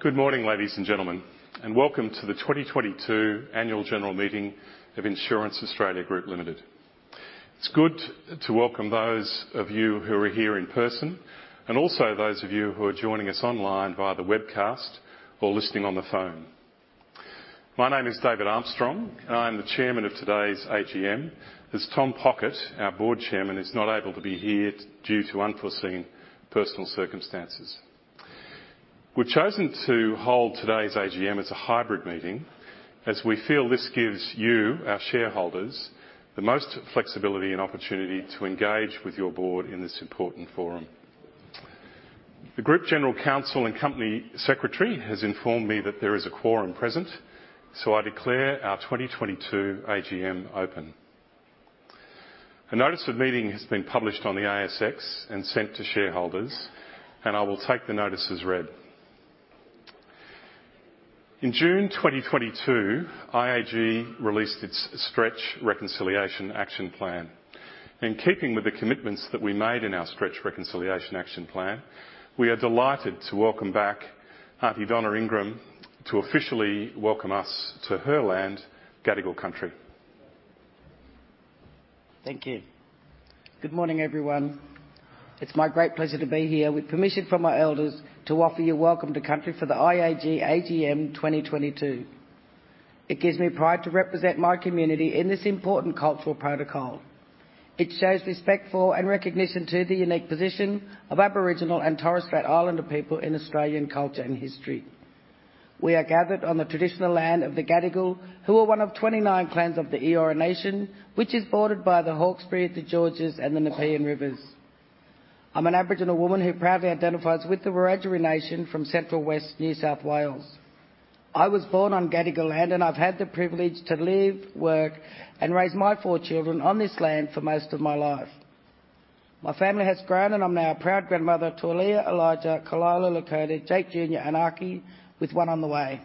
Good morning, ladies and gentlemen, and welcome to the 2022 annual general meeting of Insurance Australia Group Limited. It's good to welcome those of you who are here in person and also those of you who are joining us online via the webcast or listening on the phone. My name is David Armstrong, and I'm the chairman of today's AGM, as Tom Pockett, our board chairman, is not able to be here due to unforeseen personal circumstances. We've chosen to hold today's AGM as a hybrid meeting as we feel this gives you, our shareholders, the most flexibility and opportunity to engage with your board in this important forum. The group general counsel and company secretary has informed me that there is a quorum present, so I declare our 2022 AGM open. A notice of meeting has been published on the ASX and sent to shareholders, and I will take the notice as read. In June 2022, IAG released its Stretch Reconciliation Action Plan. In keeping with the commitments that we made in our Stretch Reconciliation Action Plan, we are delighted to welcome back Aunty Donna Ingram to officially welcome us to her land, Gadigal Country. Thank you. Good morning, everyone. It's my great pleasure to be here with permission from my elders to offer you welcome to country for the IAG AGM 2022. It gives me pride to represent my community in this important cultural protocol. It shows respect for and recognition to the unique position of Aboriginal and Torres Strait Islander people in Australian culture and history. We are gathered on the traditional land of the Gadigal, who are one of 29 clans of the Eora Nation, which is bordered by the Hawkesbury, the Georges, and the Nepean Rivers. I'm an Aboriginal woman who proudly identifies with the Wiradjuri Nation from Central West New South Wales. I was born on Gadigal land, and I've had the privilege to live, work, and raise my four children on this land for most of my life. My family has grown, and I'm now a proud grandmother to Aliyah, Elijah, Kalila, Lakota, Jake Jr, Anaki, with one on the way.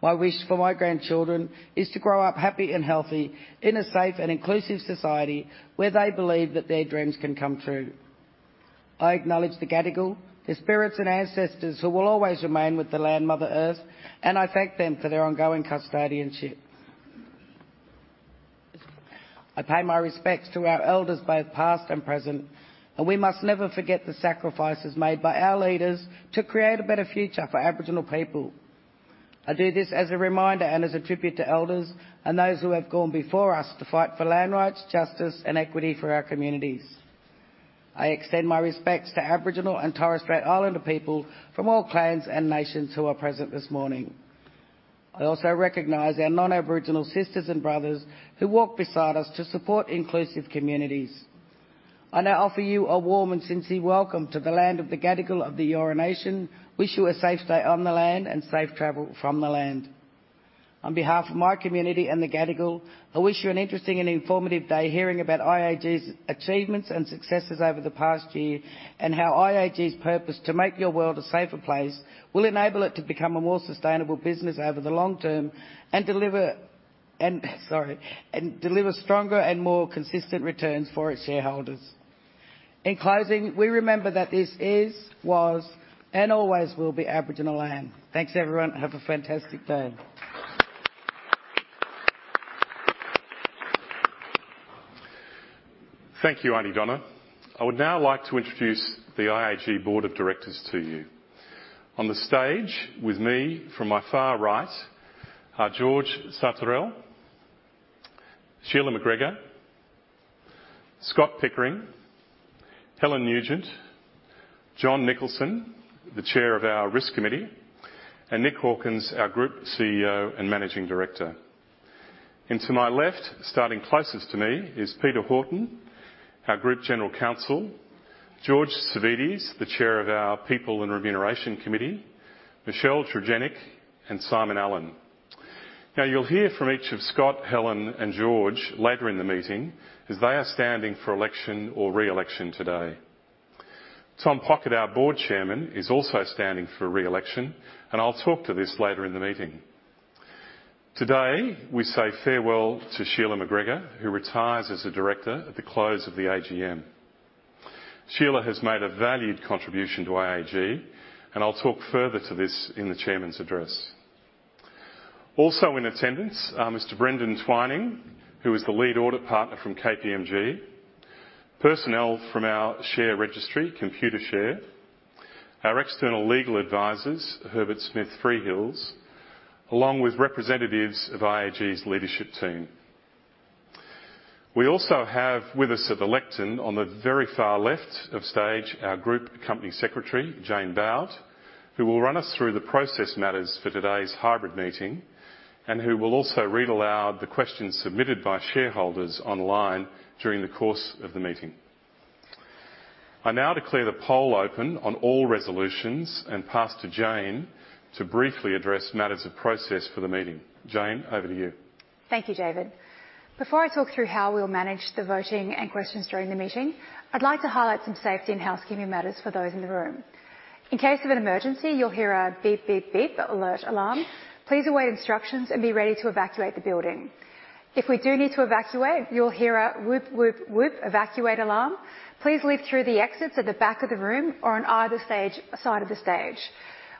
My wish for my grandchildren is to grow up happy and healthy in a safe and inclusive society where they believe that their dreams can come true. I acknowledge the Gadigal, the spirits and ancestors who will always remain with the land, Mother Earth, and I thank them for their ongoing custodianship. I pay my respects to our elders, both past and present, and we must never forget the sacrifices made by our leaders to create a better future for Aboriginal people. I do this as a reminder and as a tribute to elders and those who have gone before us to fight for land rights, justice, and equity for our communities. I extend my respects to Aboriginal and Torres Strait Islander people from all clans and nations who are present this morning. I also recognize our non-Aboriginal sisters and brothers who walk beside us to support inclusive communities. I now offer you a warm and sincere welcome to the land of the Gadigal of the Eora Nation. I wish you a safe stay on the land and safe travel from the land. On behalf of my community and the Gadigal, I wish you an interesting and informative day hearing about IAG's achievements and successes over the past year and how IAG's purpose to make your world a safer place will enable it to become a more sustainable business over the long term and deliver stronger and more consistent returns for its shareholders. In closing, we remember that this is, was, and always will be Aboriginal land. Thanks, everyone. Have a fantastic day. Thank you, Aunty Donna. I would now like to introduce the IAG Board of Directors to you. On the stage with me from my far right are George Sartorel, Sheila McGregor, Scott Pickering, Helen Nugent, Jon Nicholson, the Chair of our risk committee, and Nick Hawkins, our Group CEO and Managing Director. To my left, starting closest to me, is Peter Horton, our Group General Counsel, George Savvides, the Chair of our people and remuneration committee, Michelle Tredenick, and Simon Allen. Now, you'll hear from each of Scott, Helen, and George later in the meeting, as they are standing for election or re-election today. Tom Pockett, our Board Chairman, is also standing for re-election, and I'll talk to this later in the meeting. Today, we say farewell to Sheila McGregor, who retires as a Director at the close of the AGM. Sheila has made a valued contribution to IAG, and I'll talk further to this in the chairman's address. Also in attendance are Mr. Brendan Twining, who is the lead audit partner from KPMG, personnel from our share registry, Computershare, our external legal advisors, Herbert Smith Freehills, along with representatives of IAG's leadership team. We also have with us at the lectern on the very far left of stage our group company secretary, Jane Bowd, who will run us through the process matters for today's hybrid meeting and who will also read aloud the questions submitted by shareholders online during the course of the meeting. I now declare the poll open on all resolutions and pass to Jane to briefly address matters of process for the meeting. Jane, over to you. Thank you, David. Before I talk through how we'll manage the voting and questions during the meeting, I'd like to highlight some safety and housekeeping matters for those in the room. In case of an emergency, you'll hear a beep, beep alert alarm. Please await instructions and be ready to evacuate the building. If we do need to evacuate, you'll hear a woop, woop evacuate alarm. Please leave through the exits at the back of the room or on either side of the stage.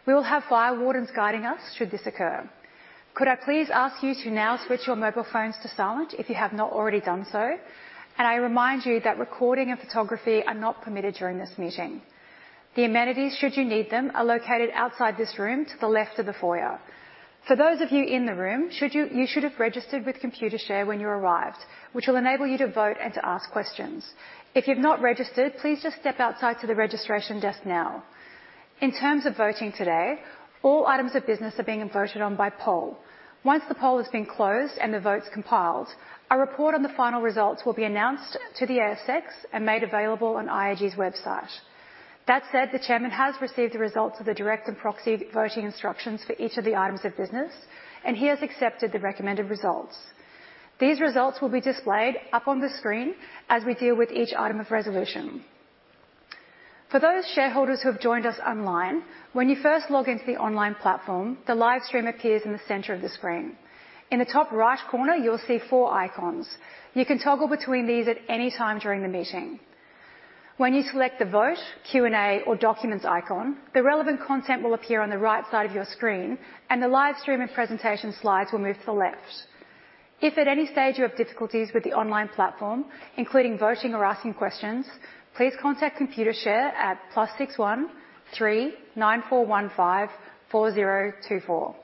We will have fire wardens guiding us should this occur. Could I please ask you to now switch your mobile phones to silent if you have not already done so, and I remind you that recording and photography are not permitted during this meeting. The amenities, should you need them, are located outside this room to the left of the foyer. For those of you in the room, you should have registered with Computershare when you arrived, which will enable you to vote and to ask questions. If you've not registered, please just step outside to the registration desk now. In terms of voting today, all items of business are being voted on by poll. Once the poll has been closed and the votes compiled, a report on the final results will be announced to the ASX and made available on IAG's website. That said, the Chairman has received the results of the direct and proxy voting instructions for each of the items of business, and he has accepted the recommended results. These results will be displayed up on the screen as we deal with each item of resolution. For those shareholders who have joined us online, when you first log into the online platform, the live stream appears in the center of the screen. In the top right corner, you'll see four icons. You can toggle between these at any time during the meeting. When you select the Vote, Q&A, or Documents icon, the relevant content will appear on the right side of your screen and the live stream and presentation slides will move to the left. If at any stage you have difficulties with the online platform, including voting or asking questions, please contact Computershare at +61 3 9415 4024.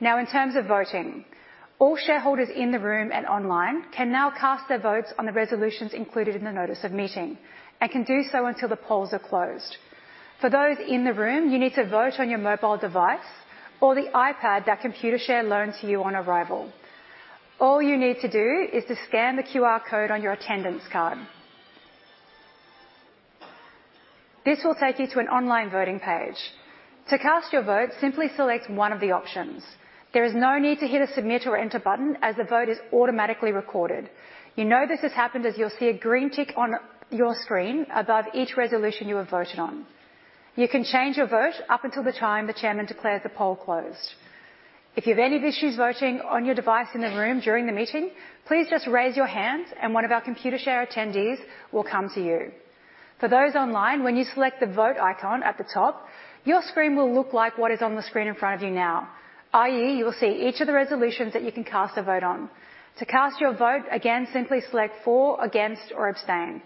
Now in terms of voting, all shareholders in the room and online can now cast their votes on the resolutions included in the notice of meeting, and can do so until the polls are closed. For those in the room, you need to vote on your mobile device or the iPad that Computershare loaned to you on arrival. All you need to do is to scan the QR code on your attendance card. This will take you to an online voting page. To cast your vote, simply select one of the options. There is no need to hit a submit or enter button as the vote is automatically recorded. You know this has happened as you'll see a green tick on your screen above each resolution you have voted on. You can change your vote up until the time the Chairman declares the poll closed. If you have any issues voting on your device in the room during the meeting, please just raise your hand and one of our Computershare attendees will come to you. For those online, when you select the Vote icon at the top, your screen will look like what is on the screen in front of you now, i.e., you will see each of the resolutions that you can cast a vote on. To cast your vote, again, simply select For, Against, or Abstain.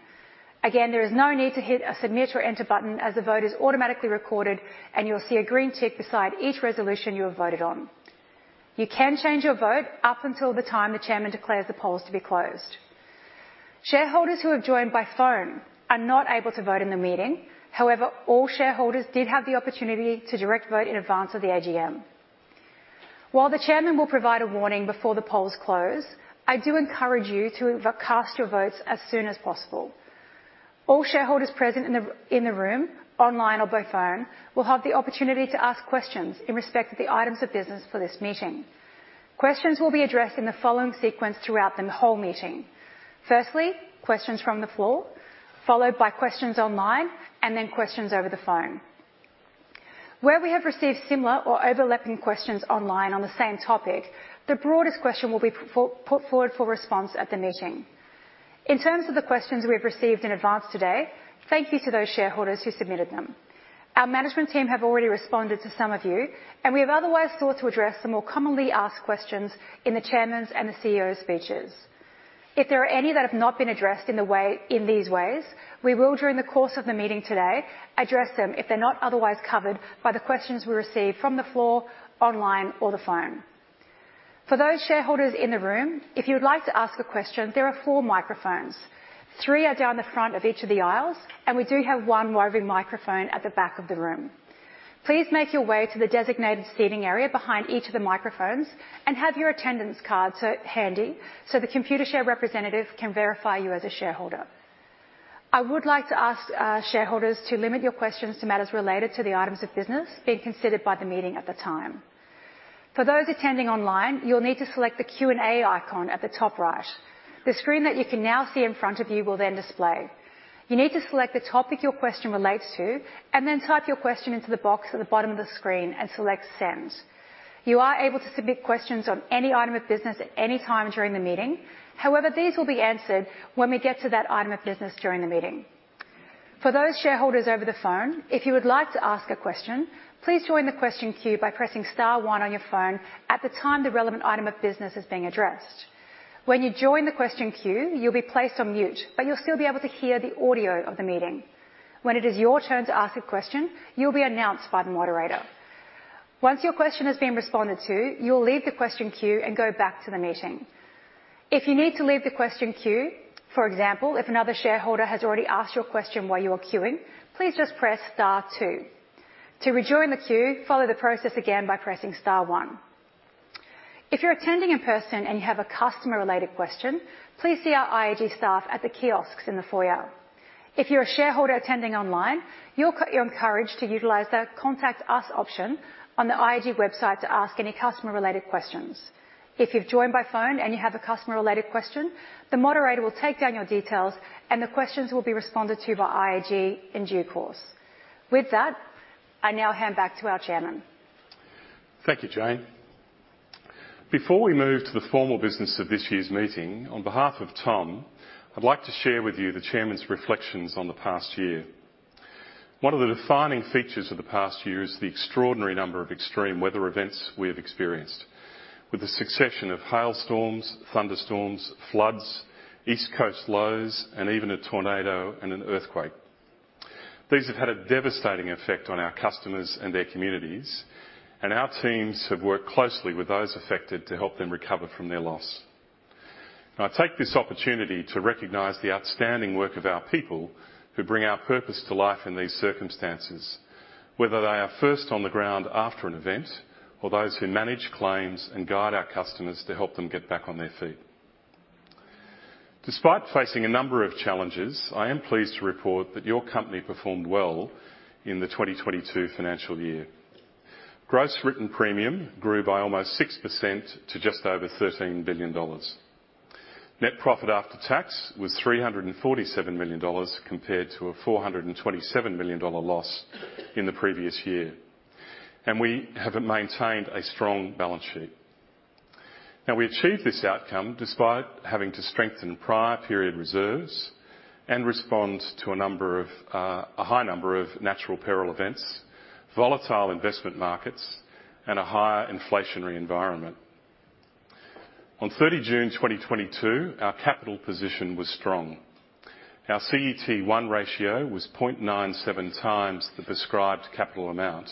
Again, there is no need to hit a submit or enter button as the vote is automatically recorded and you'll see a green tick beside each resolution you have voted on. You can change your vote up until the time the Chairman declares the polls to be closed. Shareholders who have joined by phone are not able to vote in the meeting. However, all shareholders did have the opportunity to direct vote in advance of the AGM. While the Chairman will provide a warning before the polls close, I do encourage you to cast your votes as soon as possible. All shareholders present in the room, online or by phone, will have the opportunity to ask questions in respect of the items of business for this meeting. Questions will be addressed in the following sequence throughout the whole meeting. Firstly, questions from the floor, followed by questions online, and then questions over the phone. Where we have received similar or overlapping questions online on the same topic, the broadest question will be put forward for response at the meeting. In terms of the questions we have received in advance today, thank you to those shareholders who submitted them. Our management team have already responded to some of you, and we have otherwise sought to address the more commonly asked questions in the Chairman's and the CEO's speeches. If there are any that have not been addressed in these ways, we will during the course of the meeting today address them if they're not otherwise covered by the questions we receive from the floor, online, or the phone. For those shareholders in the room, if you would like to ask a question, there are four microphones. Three are down the front of each of the aisles, and we do have one roving microphone at the back of the room. Please make your way to the designated seating area behind each of the microphones and have your attendance card handy so the Computershare representative can verify you as a shareholder. I would like to ask shareholders to limit your questions to matters related to the items of business being considered by the meeting at the time. For those attending online, you'll need to select the Q&A icon at the top right. The screen that you can now see in front of you will then display. You need to select the topic your question relates to and then type your question into the box at the bottom of the screen and select Send. You are able to submit questions on any item of business at any time during the meeting. However, these will be answered when we get to that item of business during the meeting. For those shareholders over the phone, if you would like to ask a question, please join the question queue by pressing star one on your phone at the time the relevant item of business is being addressed. When you join the question queue, you'll be placed on mute, but you'll still be able to hear the audio of the meeting. When it is your turn to ask a question, you'll be announced by the moderator. Once your question has been responded to, you'll leave the question queue and go back to the meeting. If you need to leave the question queue, for example, if another shareholder has already asked your question while you are queuing, please just press star two. To rejoin the queue, follow the process again by pressing star one. If you're attending in person and you have a customer-related question, please see our IAG staff at the kiosks in the foyer. If you're a shareholder attending online, you're encouraged to utilize the Contact Us option on the IAG website to ask any customer-related questions. If you've joined by phone and you have a customer-related question, the moderator will take down your details and the questions will be responded to by IAG in due course. With that, I now hand back to our chairman. Thank you, Jane. Before we move to the formal business of this year's meeting, on behalf of Tom, I'd like to share with you the chairman's reflections on the past year. One of the defining features of the past year is the extraordinary number of extreme weather events we have experienced, with a succession of hailstorms, thunderstorms, floods, East Coast lows, and even a tornado and an earthquake. These have had a devastating effect on our customers and their communities, and our teams have worked closely with those affected to help them recover from their loss. I take this opportunity to recognize the outstanding work of our people who bring our purpose to life in these circumstances, whether they are first on the ground after an event, or those who m anage claims and guide our customers to help them get back on their feet. Despite facing a number of challenges, I am pleased to report that your company performed well in the 2022 financial year. Gross Written Premium grew by almost 6% to just over 13 billion dollars. Net profit after tax was 347 million dollars compared to a 427 million dollar loss in the previous year. We have maintained a strong balance sheet. Now we achieved this outcome despite having to strengthen prior period reserves and respond to a high number of natural peril events, volatile investment markets, and a higher inflationary environment. On 30 June 2022, our capital position was strong. Our CET1 ratio was 0.97 times the prescribed capital amount,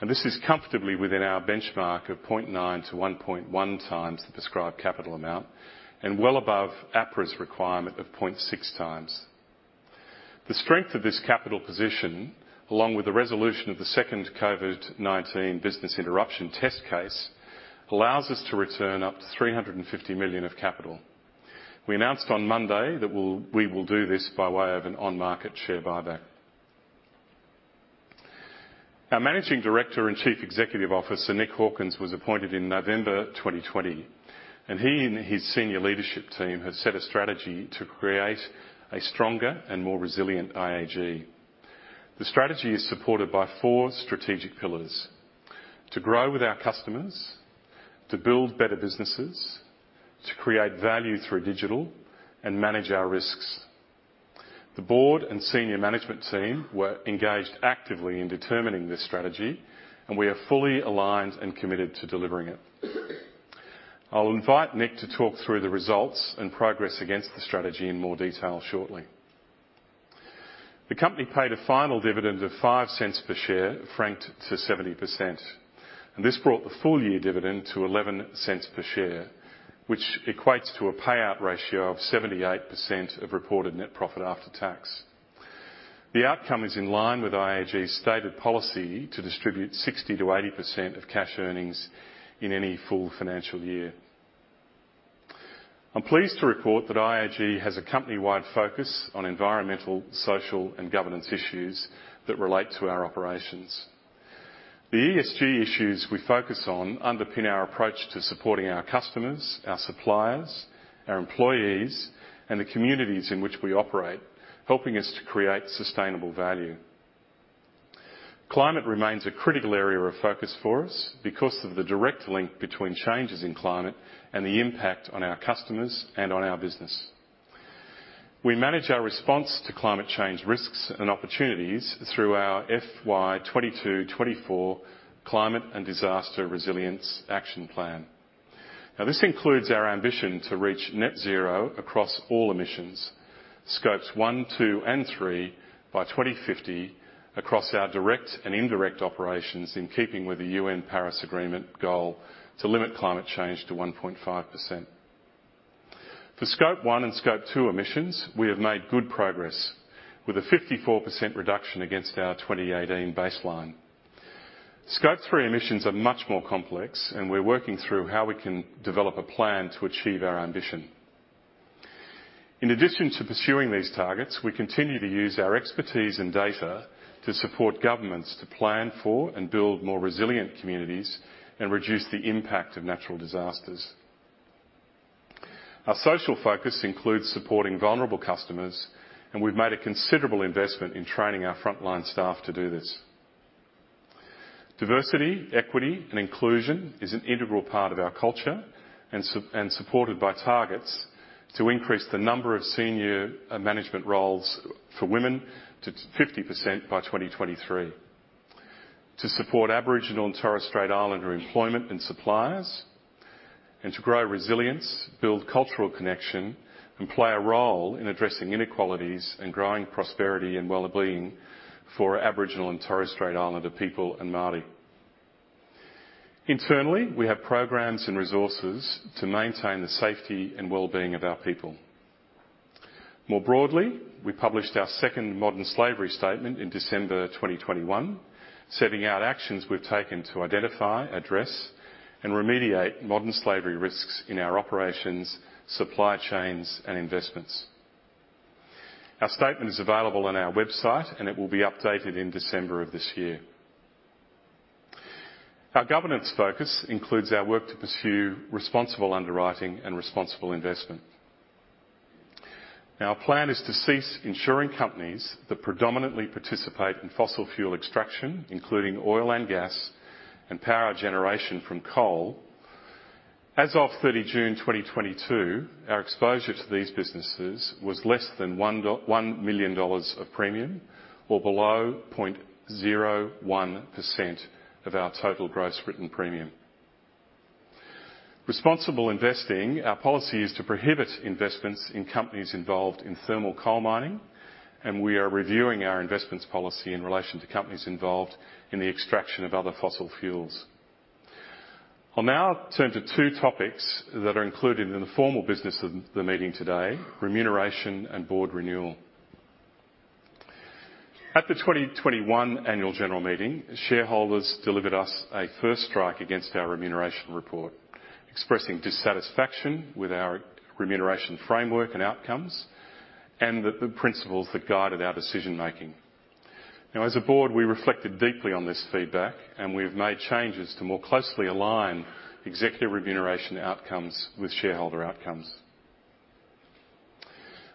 and this is comfortably within our benchmark of 0.9-1.1 times the prescribed capital amount, and well above APRA's requirement of 0.6 times. The strength of this capital position, along with the resolution of the second COVID-19 business interruption test case, allows us to return up to 350 million of capital. We announced on Monday that we will do this by way of an on-market share buyback. Our Managing Director and Chief Executive Officer, Nick Hawkins, was appointed in November 2020, and he and his senior leadership team have set a strategy to create a stronger and more resilient IAG. The strategy is supported by four strategic pillars, to grow with our customers, to build better businesses, to create value through digital, and manage our risks. The board and senior management team were engaged actively in determining this strategy, and we are fully aligned and committed to delivering it. I'll invite Nick to talk through the results and progress against the strategy in more detail shortly. The company paid a final dividend of 0.05 per share, franked to 70%. This brought the full year dividend to 0.11 per share, which equates to a payout ratio of 78% of reported net profit after tax. The outcome is in line with IAG's stated policy to distribute 60%-80% of cash earnings in any full financial year. I'm pleased to report that IAG has a company-wide focus on environmental, social, and governance issues that relate to our operations. The ESG issues we focus on underpin our approach to supporting our customers, our suppliers, our employees, and the communities in which we operate, helping us to create sustainable value. Climate remains a critical area of focus for us because of the direct link between changes in climate and the impact on our customers and on our business. We manage our response to climate change risks and opportunities through our FY 2022-2024 climate and disaster resilience action plan. Now this includes our ambition to reach net zero across all emissions, Scopes 1, 2, and 3, by 2050 across our direct and indirect operations in keeping with the Paris Agreement goal to limit climate change to 1.5%. For Scope 1 and Scope 2 emissions, we have made good progress with a 54% reduction against our 2018 baseline. Scope 3 emissions are much more complex and we're working through how we can develop a plan to achieve our ambition. In addition to pursuing these targets, we continue to use our expertise and data to support governments to plan for and build more resilient communities and reduce the impact of natural disasters. Our social focus includes supporting vulnerable customers, and we've made a considerable investment in training our frontline staff to do this. Diversity, equity, and inclusion is an integral part of our culture and supported by targets to increase the number of senior management roles for women to 50% by 2023, to support Aboriginal and Torres Strait Islander employment and suppliers, and to grow resilience, build cultural connection, and play a role in addressing inequalities and growing prosperity and wellbeing for Aboriginal and Torres Strait Islander people and Māori. Internally, we have programs and resources to maintain the safety and well-being of our people. More broadly, we published our second modern slavery statement in December 2021, setting out actions we've taken to identify, address, and remediate modern slavery risks in our operations, supply chains, and investments. Our statement is available on our website, and it will be updated in December of this year. Our governance focus includes our work to pursue responsible underwriting and responsible investment. Our plan is to cease insuring companies that predominantly participate in fossil fuel extraction, including oil and gas and power generation from coal. As of 30 June 2022, our exposure to these businesses was less than 1 million dollars of premium or below 0.01% of our total Gross Written Premium. Responsible investing, our policy is to prohibit investments in companies involved in thermal coal mining, and we are reviewing our investments policy in relation to companies involved in the extraction of other fossil fuels. I'll now turn to two topics that are included in the formal business of the meeting today: remuneration and board renewal. At the 2021 annual general meeting, shareholders delivered us a first strike against our remuneration report, expressing dissatisfaction with our remuneration framework and outcomes, and the principles that guided our decision making. Now, as a board, we reflected deeply on this feedback, and we have made changes to more closely align executive remuneration outcomes with shareholder outcomes.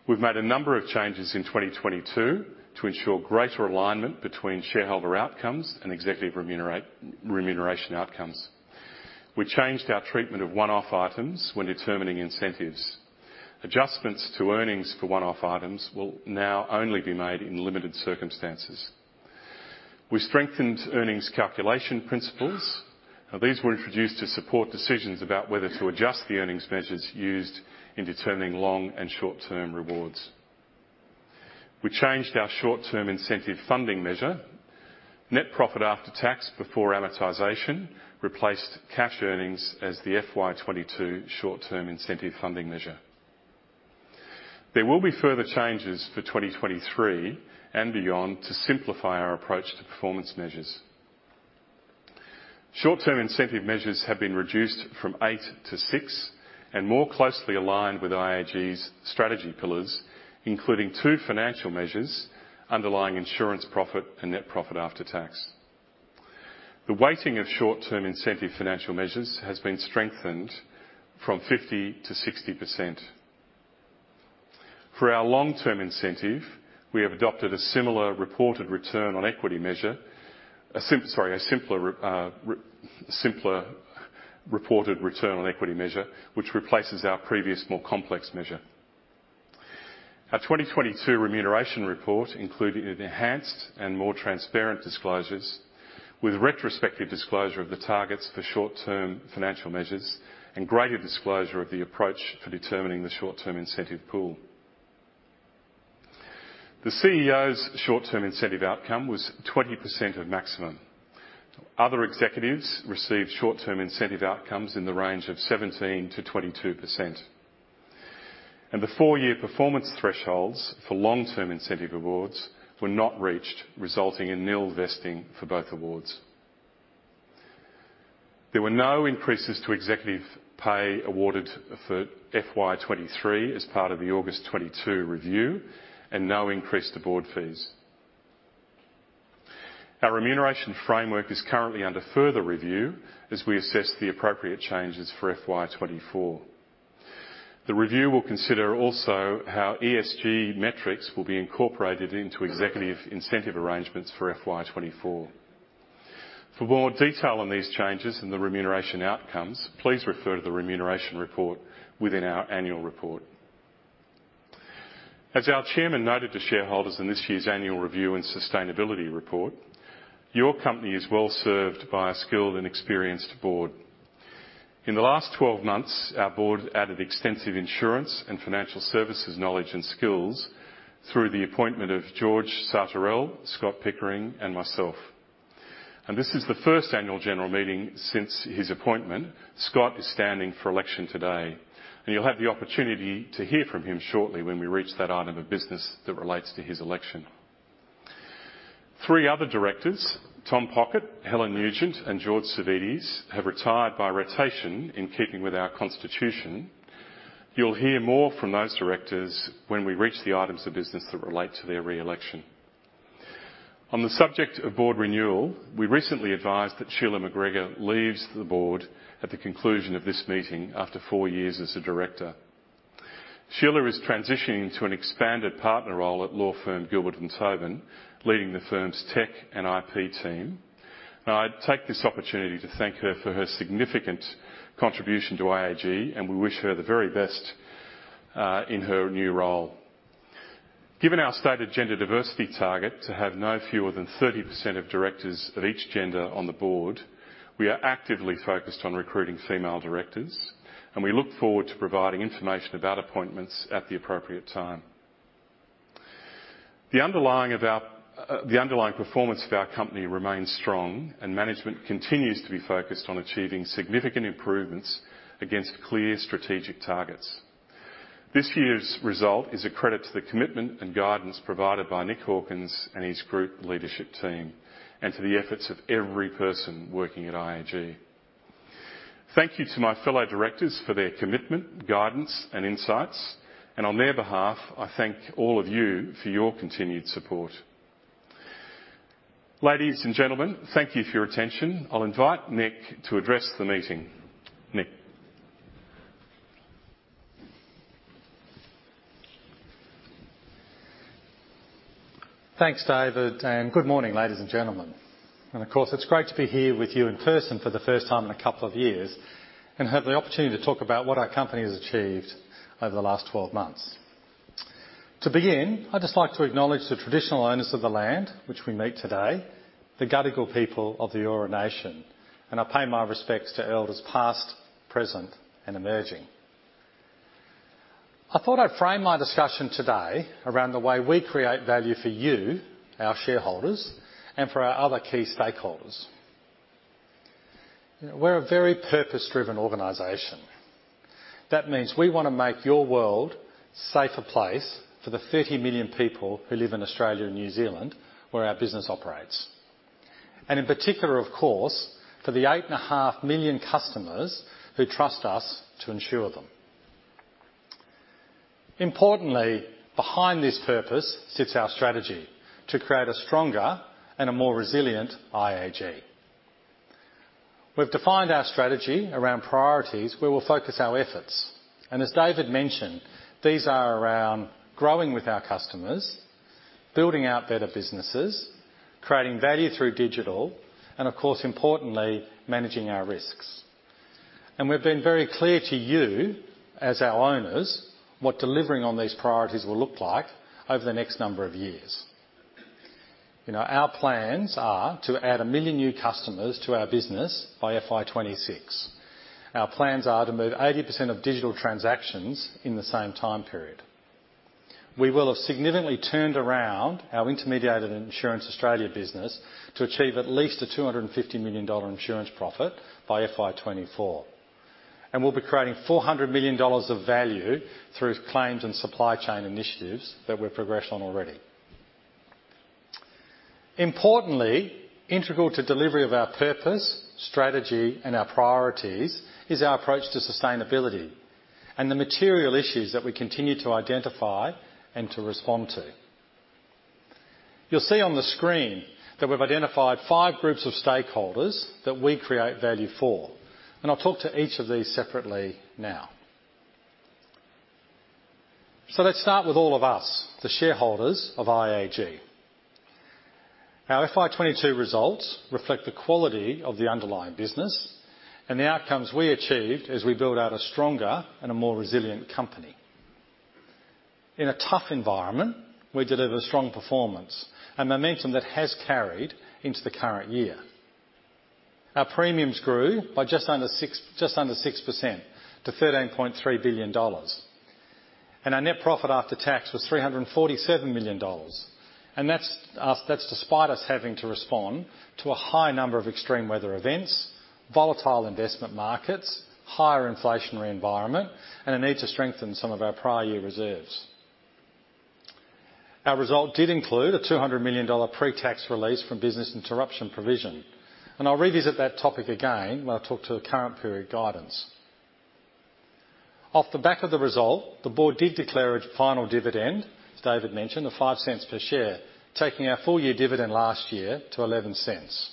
We've made a number of changes in 2022 to ensure greater alignment between shareholder outcomes and executive remuneration outcomes. We changed our treatment of one-off items when determining incentives. Adjustments to earnings for one-off items will now only be made in limited circumstances. We strengthened earnings calculation principles. Now, these were introduced to support decisions about whether to adjust the earnings measures used in determining long and short-term rewards. We changed our short-term incentive funding measure. Net profit after tax, before amortization, replaced cash earnings as the FY 2022 short-term incentive funding measure. There will be further changes for 2023 and beyond to simplify our approach to performance measures. Short-term incentive measures have been reduced from 8-6 and more closely aligned with IAG's strategy pillars, including two financial measures underlying insurance profit and net profit after tax. The weighting of short-term incentive financial measures has been strengthened from 50% to 60%. For our long-term incentive, we have adopted a similar reported return on equity measure, a simpler reported return on equity measure, which replaces our previous more complex measure. Our 2022 remuneration report, including enhanced and more transparent disclosures with retrospective disclosure of the targets for short-term financial measures and greater disclosure of the approach for determining the short-term incentive pool. The CEO's short-term incentive outcome was 20% of maximum. Other executives received short-term incentive outcomes in the range of 17%-22%. The four-year performance thresholds for long-term incentive awards were not reached, resulting in nil vesting for both awards. There were no increases to executive pay awarded for FY 2023 as part of the August 2022 review and no increase to board fees. Our remuneration framework is currently under further review as we assess the appropriate changes for FY 2024. The review will consider also how ESG metrics will be incorporated into executive incentive arrangements for FY 2024. For more detail on these changes and the remuneration outcomes, please refer to the remuneration report within our annual report. As our chairman noted to shareholders in this year's annual review and sustainability report, your company is well-served by a skilled and experienced board. In the last 12 months, our board added extensive insurance and financial services knowledge and skills through the appointment of George Sartorel, Scott Pickering, and myself. This is the first annual general meeting since his appointment. Scott is standing for election today, and you'll have the opportunity to hear from him shortly when we reach that item of business that relates to his election. Three other directors, Tom Pockett, Helen Nugent, and George Savvides, have retired by rotation in keeping with our constitution. You'll hear more from those directors when we reach the items of business that relate to their re-election. On the subject of board renewal, we recently advised that Sheila McGregor leaves the board at the conclusion of this meeting after four years as a director. Sheila is transitioning to an expanded partner role at law firm Gilbert + Tobin, leading the firm's tech and IP team. I take this opportunity to thank her for her significant contribution to IAG, and we wish her the very best in her new role. Given our stated gender diversity target to have no fewer than 30% of directors of each gender on the board, we are actively focused on recruiting female directors, and we look forward to providing information about appointments at the appropriate time. The underlying performance of our company remains strong, and management continues to be focused on achieving significant improvements against clear strategic targets. This year's result is a credit to the commitment and guidance provided by Nick Hawkins and his group leadership team, and to the efforts of every person working at IAG. Thank you to my fellow directors for their commitment, guidance, and insights, and on their behalf, I thank all of you for your continued support. Ladies and gentlemen, thank you for your attention. I'll invite Nick to address the meeting. Nick. Thanks, David, and good morning, ladies and gentlemen. Of course, it's great to be here with you in person for the first time in a couple of years, and have the opportunity to talk about what our company has achieved over the last 12 months. To begin, I'd just like to acknowledge the traditional owners of the land on which we meet today, the Gadigal people of the Eora Nation, and I pay my respects to elders past, present, and emerging. I thought I'd frame my discussion today around the way we create value for you, our shareholders, and for our other key stakeholders. We're a very purpose-driven organization. That means we wanna make your world a safer place for the 30 million people who live in Australia and New Zealand, where our business operates. In particular, of course, for the 8.5 million customers who trust us to insure them. Importantly, behind this purpose sits our strategy to create a stronger and a more resilient IAG. We've defined our strategy around priorities where we'll focus our efforts, and as David mentioned, these are around growing with our customers, building out better businesses, creating value through digital, and of course, importantly, managing our risks. We've been very clear to you, as our owners, what delivering on these priorities will look like over the next number of years. You know, our plans are to add 1 million new customers to our business by FY 2026. Our plans are to move 80% of digital transactions in the same time period. We will have significantly turned around our Intermediated Insurance Australia business to achieve at least 250 million dollar insurance profit by FY 2024. We'll be creating 400 million dollars of value through claims and supply chain initiatives that we're progressed on already. Importantly, integral to delivery of our purpose, strategy, and our priorities is our approach to sustainability and the material issues that we continue to identify and to respond to. You'll see on the screen that we've identified five groups of stakeholders that we create value for, and I'll talk to each of these separately now. Let's start with all of us, the shareholders of IAG. Our FY 2022 results reflect the quality of the underlying business and the outcomes we achieved as we build out a stronger and a more resilient company. In a tough environment, we deliver strong performance, a momentum that has carried into the current year. Our premiums grew by just under 6% to 13.3 billion dollars, and our net profit after tax was 347 million dollars. That's despite us having to respond to a high number of extreme weather events, volatile investment markets, higher inflationary environment, and a need to strengthen some of our prior year reserves. Our result did include a 200 million dollar pre-tax release from business interruption provision, and I'll revisit that topic again when I talk to the current period guidance. Off the back of the result, the board did declare a final dividend, as David mentioned, of 0.05 per share, taking our full year dividend last year to 0.11.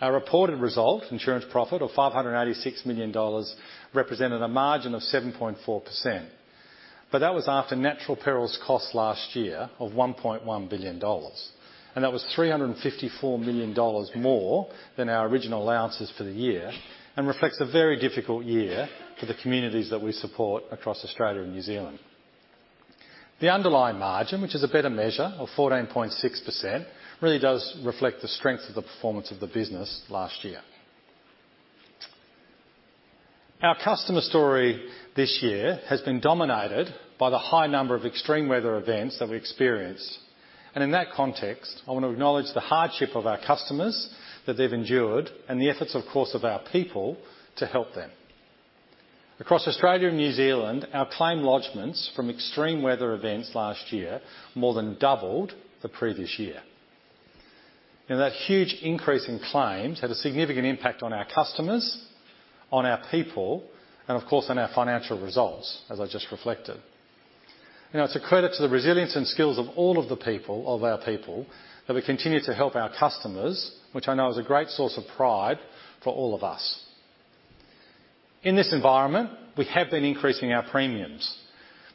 Our reported result, insurance profit of 586 million dollars, represented a margin of 7.4%, but that was after natural perils cost last year of 1.1 billion dollars. That was 354 million dollars more than our original allowances for the year and reflects a very difficult year for the communities that we support across Australia and New Zealand. The underlying margin, which is a better measure of 14.6%, really does reflect the strength of the performance of the business last year. Our customer story this year has been dominated by the high number of extreme weather events that we experienced. In that context, I wanna acknowledge the hardship of our customers that they've endured and the efforts, of course, of our people to help them. Across Australia and New Zealand, our claim lodgements from extreme weather events last year more than doubled the previous year. That huge increase in claims had a significant impact on our customers, on our people, and of course, on our financial results, as I just reflected. Now, it's a credit to the resilience and skills of all of the people, of our people, that we continue to help our customers, which I know is a great source of pride for all of us. In this environment, we have been increasing our premiums,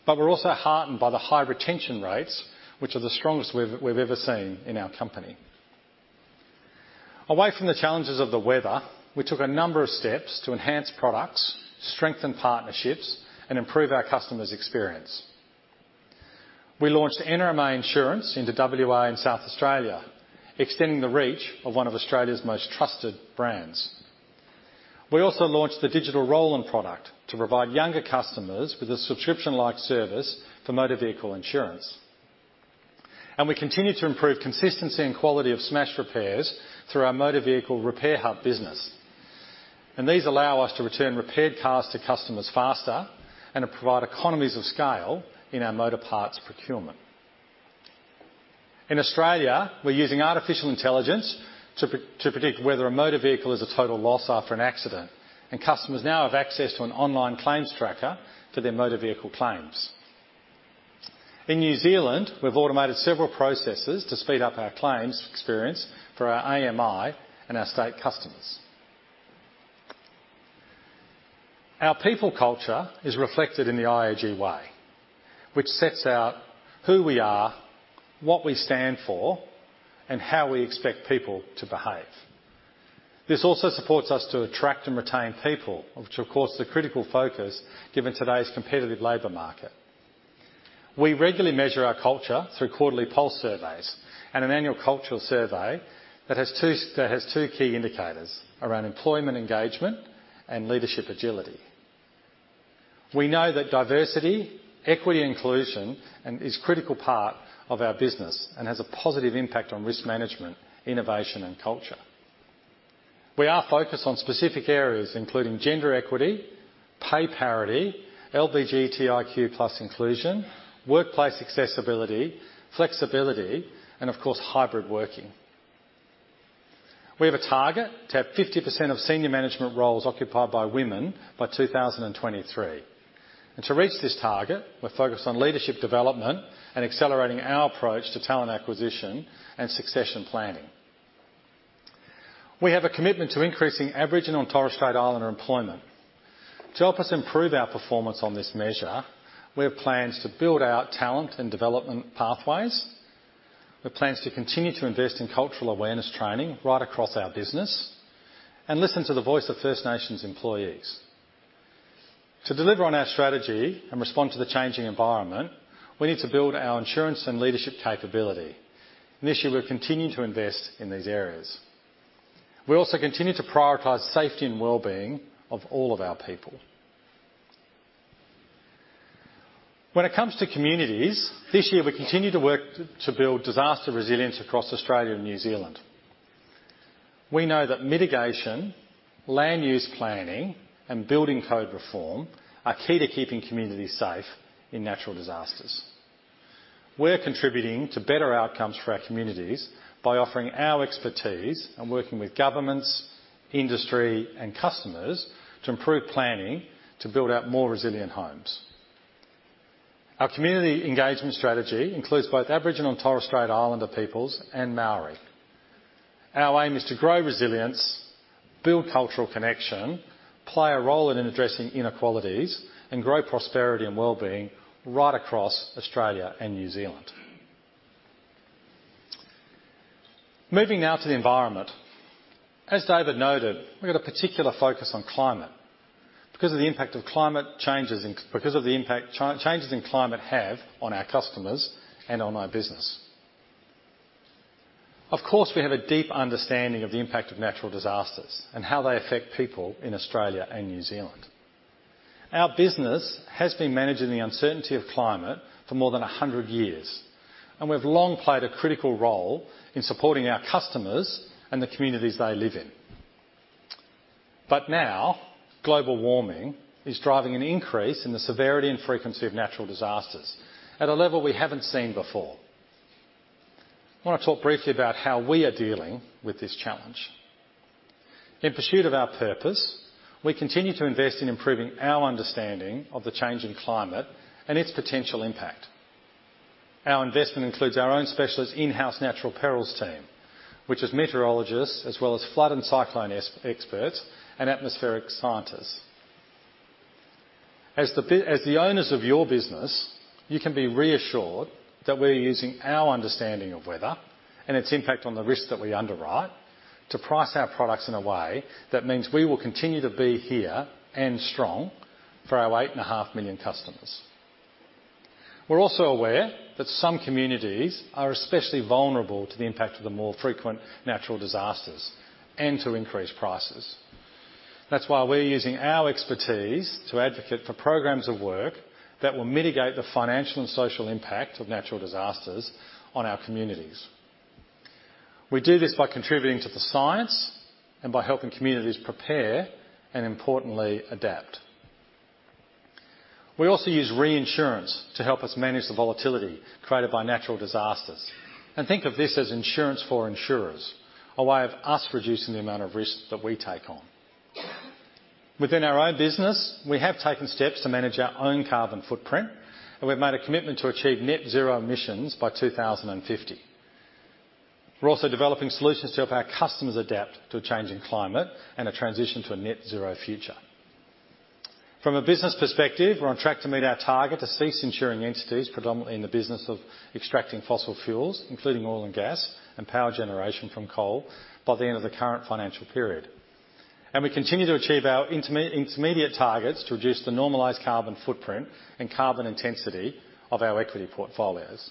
but we're also heartened by the high retention rates, which are the strongest we've ever seen in our company. Away from the challenges of the weather, we took a number of steps to enhance products, strengthen partnerships, and improve our customers' experience. We launched NRMA Insurance into WA and South Australia, extending the reach of one of Australia's most trusted brands. We also launched the digital ROLLiN' product to provide younger customers with a subscription-like service for motor vehicle insurance. We continue to improve consistency and quality of smash repairs through our motor vehicle repair hub business. These allow us to return repaired cars to customers faster and to provide economies of scale in our motor parts procurement. In Australia, we're using artificial intelligence to predict whether a motor vehicle is a total loss after an accident, and customers now have access to an online claims tracker for their motor vehicle claims. In New Zealand, we've automated several processes to speed up our claims experience for our AMI and our State customers. Our people culture is reflected in the IAG way, which sets out who we are, what we stand for, and how we expect people to behave. This also supports us to attract and retain people, which of course is a critical focus given today's competitive labor market. We regularly measure our culture through quarterly pulse surveys and an annual cultural survey that has two key indicators around employment engagement and leadership agility. We know that diversity, equity, and inclusion is critical part of our business and has a positive impact on risk management, innovation, and culture. We are focused on specific areas including gender equity, pay parity, LGBTQ+ inclusion, workplace accessibility, flexibility, and of course, hybrid working. We have a target to have 50% of senior management roles occupied by women by 2023. To reach this target, we're focused on leadership development and accelerating our approach to talent acquisition and succession planning. We have a commitment to increasing Aboriginal and Torres Strait Islander employment. To help us improve our performance on this measure, we have plans to build our talent and development pathways. We have plans to continue to invest in cultural awareness training right across our business and listen to the voice of First Nations employees. To deliver on our strategy and respond to the changing environment, we need to build our insurance and leadership capability. This year, we've continued to invest in these areas. We also continue to prioritize safety and well-being of all of our people. When it comes to communities, this year, we continue to work to build disaster resilience across Australia and New Zealand. We know that mitigation, land use planning, and building code reform are key to keeping communities safe in natural disasters. We're contributing to better outcomes for our communities by offering our expertise and working with governments, industry, and customers to improve planning to build out more resilient homes. Our community engagement strategy includes both Aboriginal and Torres Strait Islander peoples and Māori. Our aim is to grow resilience, build cultural connection, play a role in addressing inequalities, and grow prosperity and wellbeing right across Australia and New Zealand. Moving now to the environment. As David noted, we've got a particular focus on climate because of the impact of climate changes and because of the impact changes in climate have on our customers and on our business. Of course, we have a deep understanding of the impact of natural disasters and how they affect people in Australia and New Zealand. Our business has been managing the uncertainty of climate for more than 100 years, and we've long played a critical role in supporting our customers and the communities they live in. Now, global warming is driving an increase in the severity and frequency of natural disasters at a level we haven't seen before. I wanna talk briefly about how we are dealing with this challenge. In pursuit of our purpose, we continue to invest in improving our understanding of the change in climate and its potential impact. Our investment includes our own specialist in-house natural perils team, which is meteorologists as well as flood and cyclone experts and atmospheric scientists. As the owners of your business, you can be reassured that we're using our understanding of weather and its impact on the risk that we underwrite to price our products in a way that means we will continue to be here and strong for our 8.5 million customers. We're also aware that some communities are especially vulnerable to the impact of the more frequent natural disasters and to increased prices. That's why we're using our expertise to advocate for programs of work that will mitigate the financial and social impact of natural disasters on our communities. We do this by contributing to the science and by helping communities prepare, and importantly adapt. We also use reinsurance to help us manage the volatility created by natural disasters. Think of this as insurance for insurers, a way of us reducing the amount of risk that we take on. Within our own business, we have taken steps to manage our own carbon footprint, and we've made a commitment to achieve net zero emissions by 2050. We're also developing solutions to help our customers adapt to a changing climate and a transition to a net zero future. From a business perspective, we're on track to meet our target to cease insuring entities predominantly in the business of extracting fossil fuels, including oil and gas and power generation from coal, by the end of the current financial period. We continue to achieve our intermediate targets to reduce the normalized carbon footprint and carbon intensity of our equity portfolios.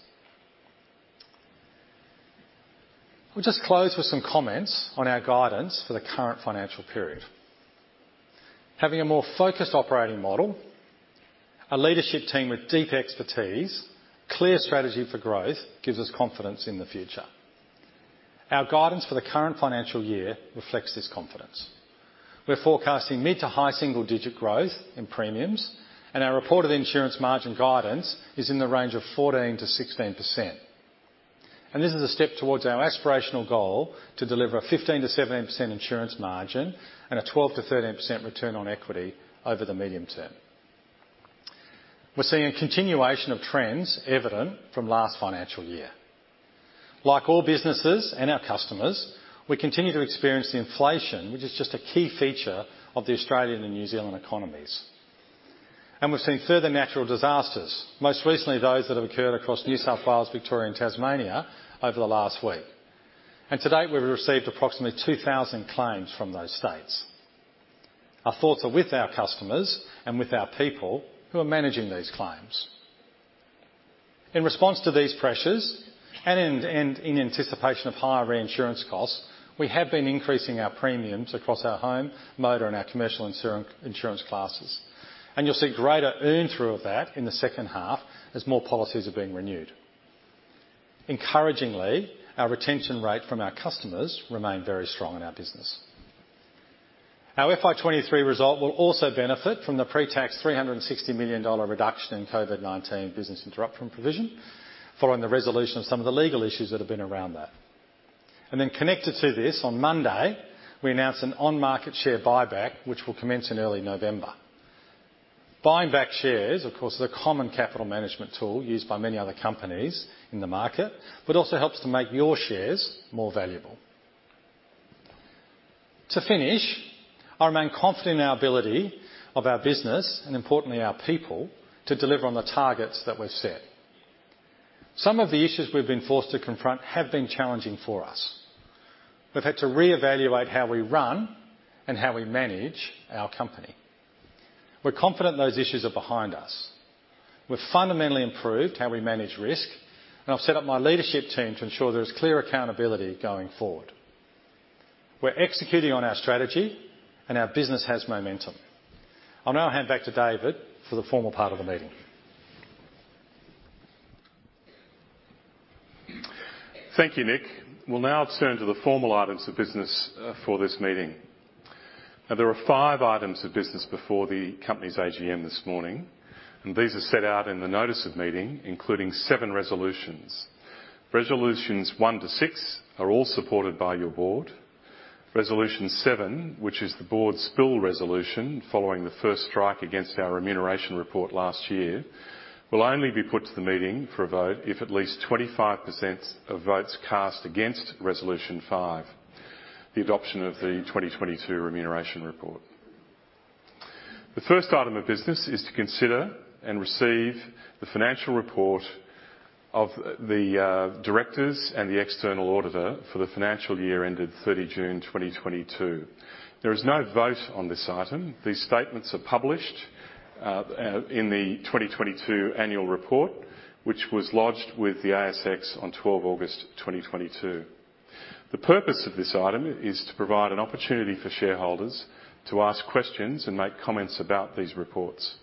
I'll just close with some comments on our guidance for the current financial period. Having a more focused operating model, a leadership team with deep expertise, clear strategy for growth, gives us confidence in the future. Our guidance for the current financial year reflects this confidence. We're forecasting mid- to high-single-digit growth in premiums, and our reported insurance margin guidance is in the range of 14%-16%. This is a step towards our aspirational goal to deliver a 15%-17% insurance margin and a 12%-13% return on equity over the medium term. We're seeing a continuation of trends evident from last financial year. Like all businesses and our customers, we continue to experience the inflation, which is just a key feature of the Australian and New Zealand economies. We're seeing further natural disasters, most recently those that have occurred across New South Wales, Victoria, and Tasmania over the last week. To date, we've received approximately 2,000 claims from those states. Our thoughts are with our customers and with our people who are managing these claims. In response to these pressures and in anticipation of higher reinsurance costs, we have been increasing our premiums across our home, motor, and our commercial insurance classes. You'll see greater earn through of that in the second half as more policies are being renewed. Encouragingly, our retention rate from our customers remain very strong in our business. Our FY 2023 result will also benefit from the pre-tax AUD 360 million reduction in COVID-19 business interruption provision following the resolution of some of the legal issues that have been around that. Connected to this, on Monday, we announced an on-market share buyback, which will commence in early November. Buying back shares, of course, is a common capital management tool used by many other companies in the market, but also helps to make your shares more valuable. To finish, I remain confident in our ability of our business, and importantly our people, to deliver on the targets that we've set. Some of the issues we've been forced to confront have been challenging for us. We've had to reevaluate how we run and how we manage our company. We're confident those issues are behind us. We've fundamentally improved how we manage risk, and I've set up my leadership team to ensure there is clear accountability going forward. We're executing on our strategy, and our business has momentum. I'll now hand back to David for the formal part of the meeting. Thank you, Nick. We'll now turn to the formal items of business for this meeting. Now there are five items of business before the company's AGM this morning, and these are set out in the notice of meeting, including seven resolutions. Resolutions 1 to 6 are all supported by your board. Resolution 7, which is the board spill resolution following the first strike against our remuneration report last year, will only be put to the meeting for a vote if at least 25% of votes cast against resolution 5, the adoption of the 2022 remuneration report. The first item of business is to consider and receive the financial report of the directors and the external auditor for the financial year ended 30 June 2022. There is no vote on this item. These statements are published in the 2022 annual report, which was lodged with the ASX on 12 August 2022. The purpose of this item is to provide an opportunity for shareholders to ask questions and make comments about these reports.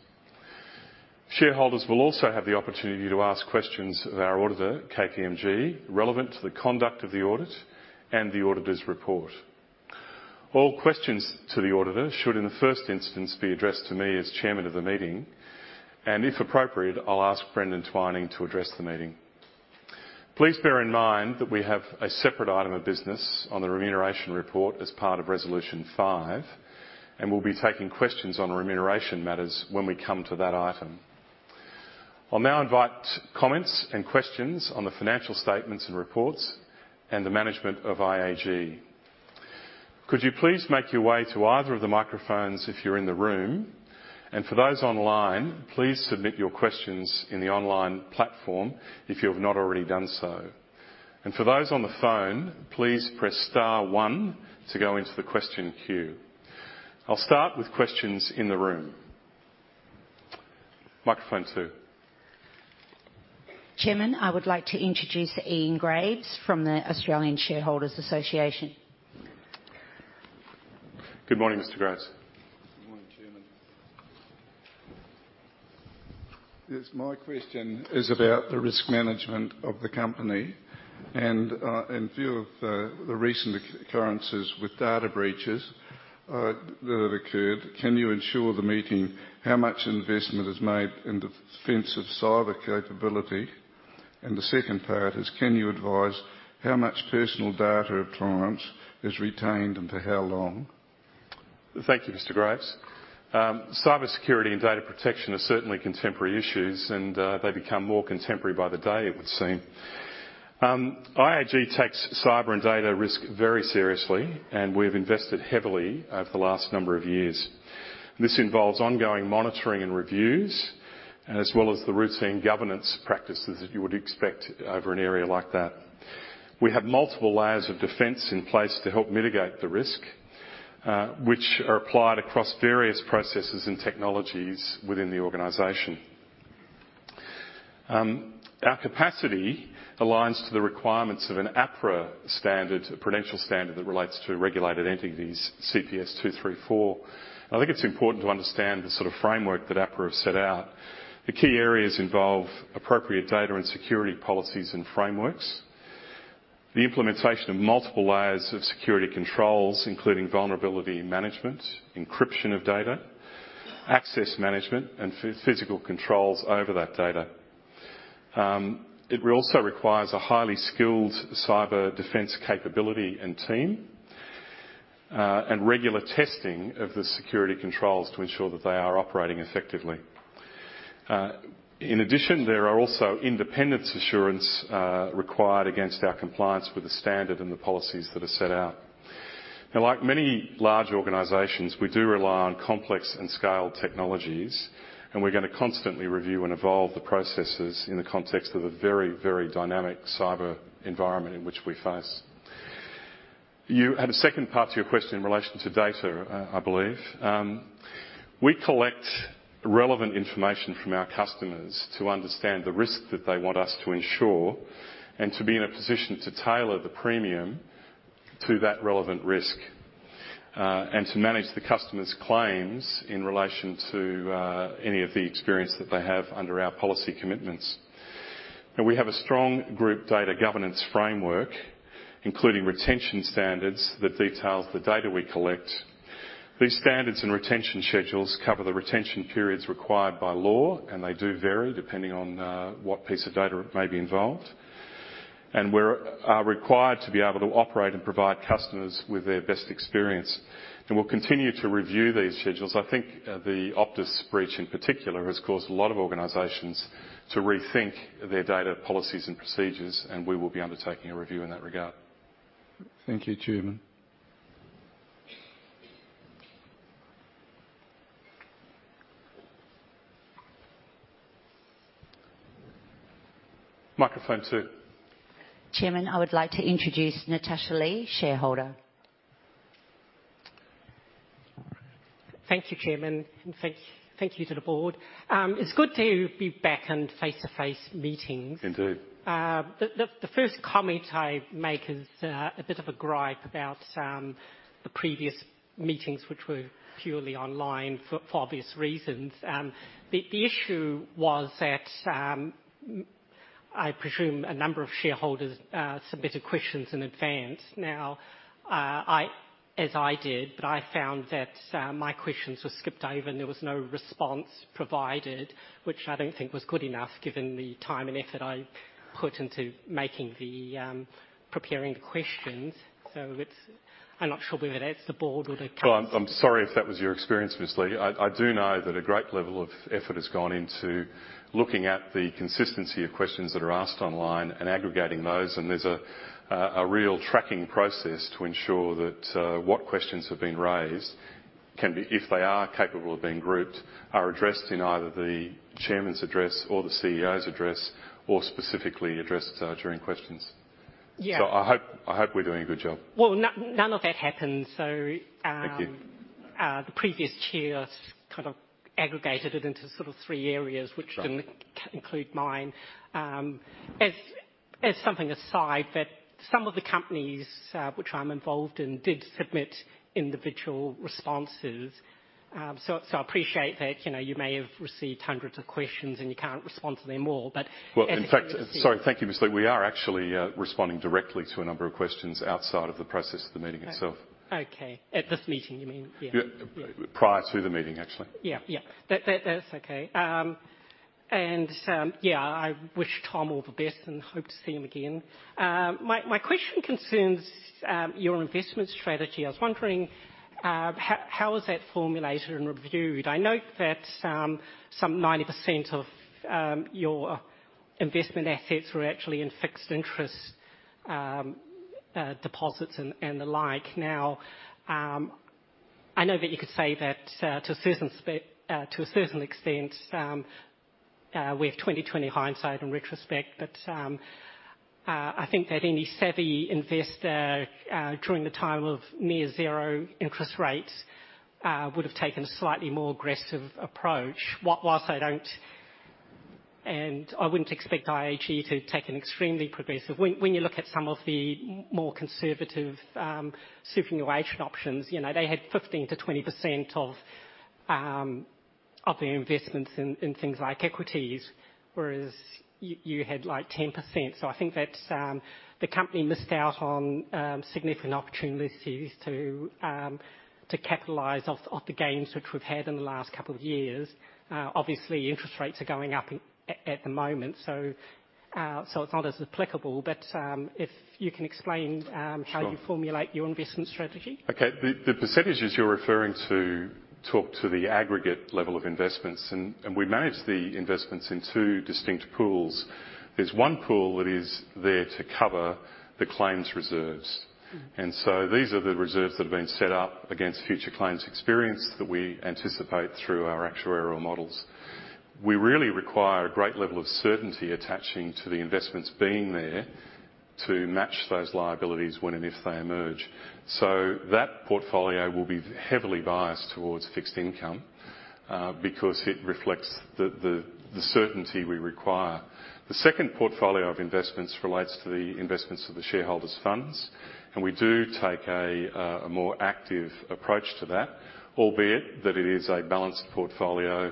Shareholders will also have the opportunity to ask questions of our auditor, KPMG, relevant to the conduct of the audit and the auditor's report. All questions to the auditor should, in the first instance, be addressed to me as chairman of the meeting, and if appropriate, I'll ask Brendan Twining to address the meeting. Please bear in mind that we have a separate item of business on the remuneration report as part of resolution 5, and we'll be taking questions on remuneration matters when we come to that item. I'll now invite comments and questions on the financial statements and reports and the management of IAG. Could you please make your way to either of the microphones if you're in the room, and for those online, please submit your questions in the online platform if you have not already done so. For those on the phone, please press star one to go into the question queue. I'll start with questions in the room. Microphone two. Chairman, I would like to introduce Ian Graves from the Australian Shareholders' Association. Good morning, Mr. Graves. Good morning, Chairman. Yes, my question is about the risk management of the company, and in view of the recent occurrences with data breaches that have occurred, can you assure the meeting how much investment is made in defense of cyber capability? And the second part is, can you advise how much personal data of clients is retained and for how long? Thank you, Mr. Graves. Cyber security and data protection are certainly contemporary issues, and they become more contemporary by the day, it would seem. IAG takes cyber and data risk very seriously, and we've invested heavily over the last number of years. This involves ongoing monitoring and reviews, as well as the routine governance practices that you would expect over an area like that. We have multiple layers of defense in place to help mitigate the risk, which are applied across various processes and technologies within the organization. Our capacity aligns to the requirements of an APRA standard, a prudential standard that relates to regulated entities, CPS 234. I think it's important to understand the sort of framework that APRA have set out. The key areas involve appropriate data and security policies and frameworks. The implementation of multiple layers of security controls, including vulnerability management, encryption of data, access management, and physical controls over that data. It also requires a highly skilled cyber defense capability and team, and regular testing of the security controls to ensure that they are operating effectively. In addition, there are also independent assurance required against our compliance with the standard and the policies that are set out. Now, like many large organizations, we do rely on complex and scaled technologies, and we're gonna constantly review and evolve the processes in the context of a very, very dynamic cyber environment in which we face. You had a second part to your question in relation to data, I believe. We collect relevant information from our customers to understand the risk that they want us to insure and to be in a position to tailor the premium to that relevant risk, and to manage the customer's claims in relation to, any of the experience that they have under our policy commitments. Now, we have a strong group data governance framework, including retention standards that details the data we collect. These standards and retention schedules cover the retention periods required by law, and they do vary depending on, what piece of data may be involved. We're required to be able to operate and provide customers with their best experience, and we'll continue to review these schedules. I think, the Optus breach in particular has caused a lot of organizations to rethink their data policies and procedures, and we will be undertaking a review in that regard. Thank you, Chairman. Microphone two. Chairman, I would like to introduce Natasha Lee, shareholder. All right. Thank you, Chairman. Thank you to the board. It's good to be back in face-to-face meetings. Indeed. The first comment I make is a bit of a gripe about the previous meetings which were purely online for obvious reasons. The issue was that I presume a number of shareholders submitted questions in advance. Now, as I did, but I found that my questions were skipped over, and there was no response provided, which I don't think was good enough given the time and effort I put into preparing the questions. I'm not sure whether that's the board or the council. Well, I'm sorry if that was your experience, Ms. Lee. I do know that a great level of effort has gone into looking at the consistency of questions that are asked online and aggregating those, and there's a real tracking process to ensure that what questions have been raised can be, if they are capable of being grouped, addressed in either the chairman's address or the CEO's address or specifically addressed during questions. Yeah. I hope we're doing a good job. Well, none of that happened, so. Thank you. The previous chair kind of aggregated it into sort of three areas. Right. --which didn't include mine. As something aside, that some of the companies which I'm involved in did submit individual responses. So I appreciate that, you know, you may have received hundreds of questions, and you can't respond to them all, but Well, in fact. Sorry. Thank you, Ms. Lee. We are actually responding directly to a number of questions outside of the process of the meeting itself. Okay. At this meeting, you mean? Yeah. Yeah. Yeah. Prior to the meeting, actually. Yeah. That's okay. I wish Tom all the best and hope to see him again. My question concerns your investment strategy. I was wondering, how is that formulated and reviewed? I note that some 90% of your investment assets were actually in fixed interest deposits and the like. Now, I know that you could say that to a certain extent with 20/20 hindsight in retrospect, but I think that any savvy investor during the time of near zero interest rates would have taken a slightly more aggressive approach. Whilst I don't and I wouldn't expect IAG to take an extremely progressive... When you look at some of the more conservative superannuation options, you know, they had 15%-20% of their investments in things like equities, whereas you had, like, 10%. I think that the company missed out on significant opportunities to capitalize off the gains which we've had in the last couple of years. Obviously, interest rates are going up at the moment, so it's not as applicable. If you can explain Sure. How you formulate your investment strategy. Okay. The percentages you're referring to talk to the aggregate level of investments, and we manage the investments in two distinct pools. There's one pool that is there to cover the claims reserves. Mm-hmm. These are the reserves that have been set up against future claims experience that we anticipate through our actuarial models. We really require a great level of certainty attaching to the investments being there to match those liabilities when and if they emerge. That portfolio will be heavily biased towards fixed income. Because it reflects the certainty we require. The second portfolio of investments relates to the investments of the shareholders' funds, and we do take a more active approach to that, albeit that it is a balanced portfolio.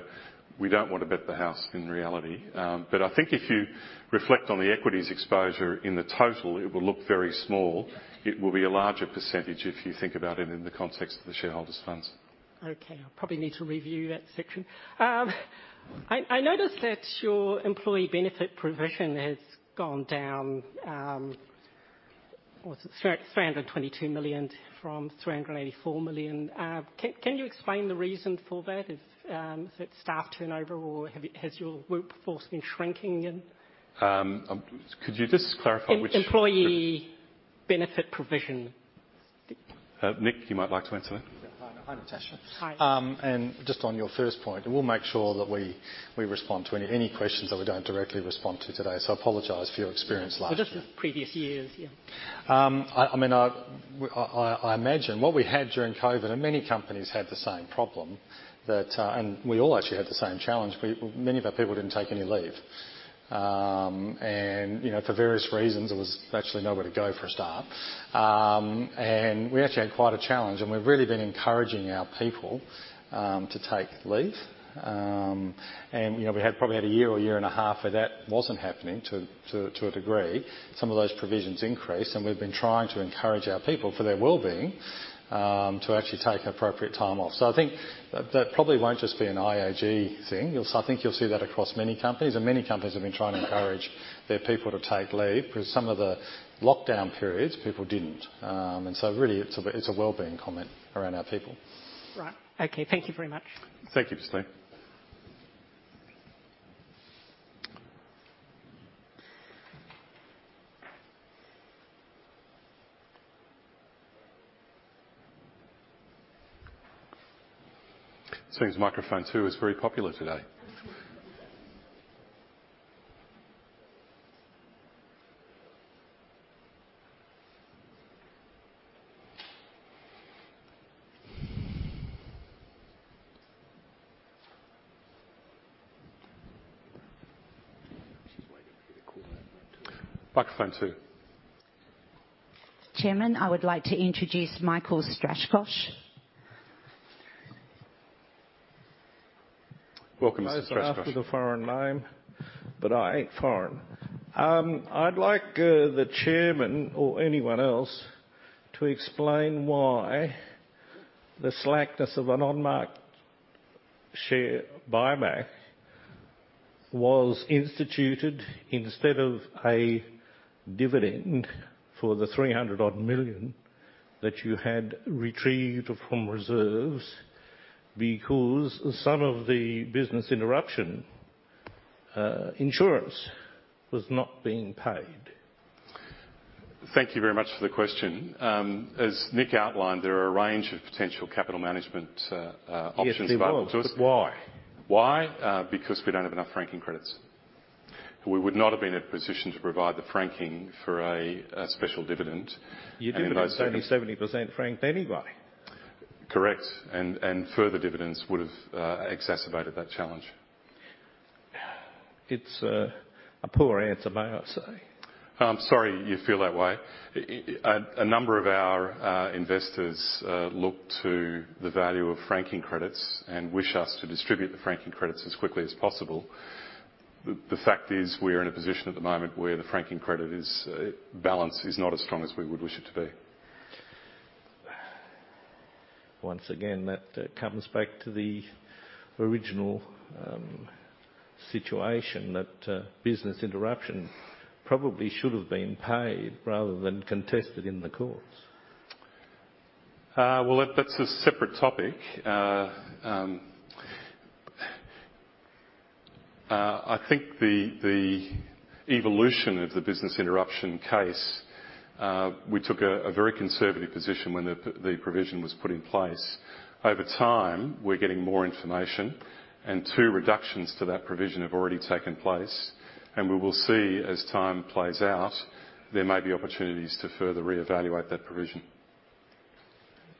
We don't want to bet the house in reality. I think if you reflect on the equities exposure in the total, it will look very small. It will be a larger percentage if you think about it in the context of the shareholders' funds. Okay. I'll probably need to review that section. I noticed that your employee benefit provision has gone down, what is it? 322 million from 384 million. Can you explain the reason for that? Is it staff turnover or has your workforce been shrinking then? Could you just clarify which? Employee benefit provision Nick, you might like to answer that. Yeah. Hi, Natasha. Hi. Just on your first point, we'll make sure that we respond to any questions that we don't directly respond to today. I apologize for your experience last year. Just the previous years, yeah. I mean, I imagine what we had during COVID, and many companies had the same problem, that and we all actually had the same challenge. Many of our people didn't take any leave. You know, for various reasons, there was actually nowhere to go for a start. We actually had quite a challenge, and we've really been encouraging our people to take leave. You know, we had probably had a year or year and a half where that wasn't happening to a degree. Some of those provisions increased, and we've been trying to encourage our people for their wellbeing to actually take appropriate time off. I think that probably won't just be an IAG thing. I think you'll see that across many companies, and many companies have been trying to encourage their people to take leave because some of the lockdown periods people didn't. Really it's a wellbeing comment around our people. Right. Okay. Thank you very much. Thank you, Ms. Lee. Seems microphone two is very popular today. Microphone two. Chairman, I would like to introduce Michael Strashko. Welcome, Mr. Strashko. Apologies for the foreign name, but I ain't foreign. I'd like the chairman or anyone else to explain why the slowness of an on-market share buyback was instituted instead of a dividend for the 300-odd million that you had retrieved from reserves because some of the business interruption insurance was not being paid. Thank you very much for the question. As Nick outlined, there are a range of potential capital management options available to us. Yes, there was, but why? Why? Because we don't have enough franking credits. We would not have been in a position to provide the franking for a special dividend, and by the You do, but it's only 70% franked anyway. Correct. Further dividends would've exacerbated that challenge. It's a poor answer, may I say. I'm sorry you feel that way. A number of our investors look to the value of franking credits and wish us to distribute the franking credits as quickly as possible. The fact is we're in a position at the moment where the franking credits balance is not as strong as we would wish it to be. Once again, that comes back to the original situation that business interruption probably should have been paid rather than contested in the courts. Well, that's a separate topic. I think the evolution of the business interruption case, we took a very conservative position when the provision was put in place. Over time, we're getting more information, and two reductions to that provision have already taken place. We will see as time plays out, there may be opportunities to further reevaluate that provision.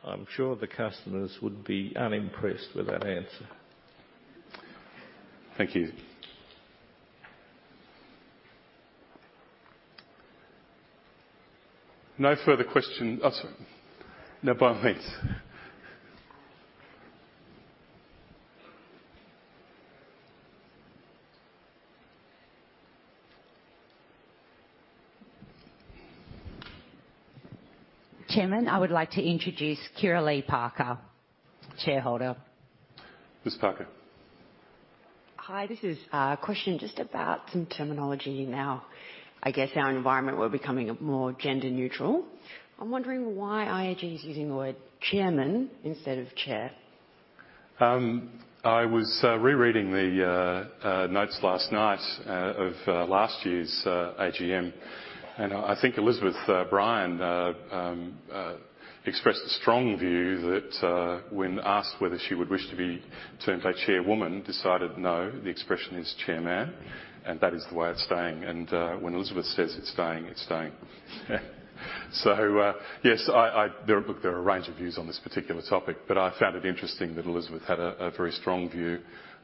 I'm sure the customers would be unimpressed with that answer. Thank you. No further question. Oh, sorry. No, by all means. Chairman, I would like to introduce Kirrily Parker, shareholder. Ms. Parker. Hi. This is a question just about some terminology. Now, I guess our environment, we're becoming more gender-neutral. I'm wondering why IAG is using the word chairman instead of chair? I was rereading the notes last night of last year's AGM, and I think Elizabeth Bryan expressed a strong view that, when asked whether she would wish to be termed a chairwoman, decided no, the expression is chairman, and that is the way it's staying. When Elizabeth says it's staying, it's staying. Yes. There are, look, a range of views on this particular topic, but I found it interesting that Elizabeth had a very strong view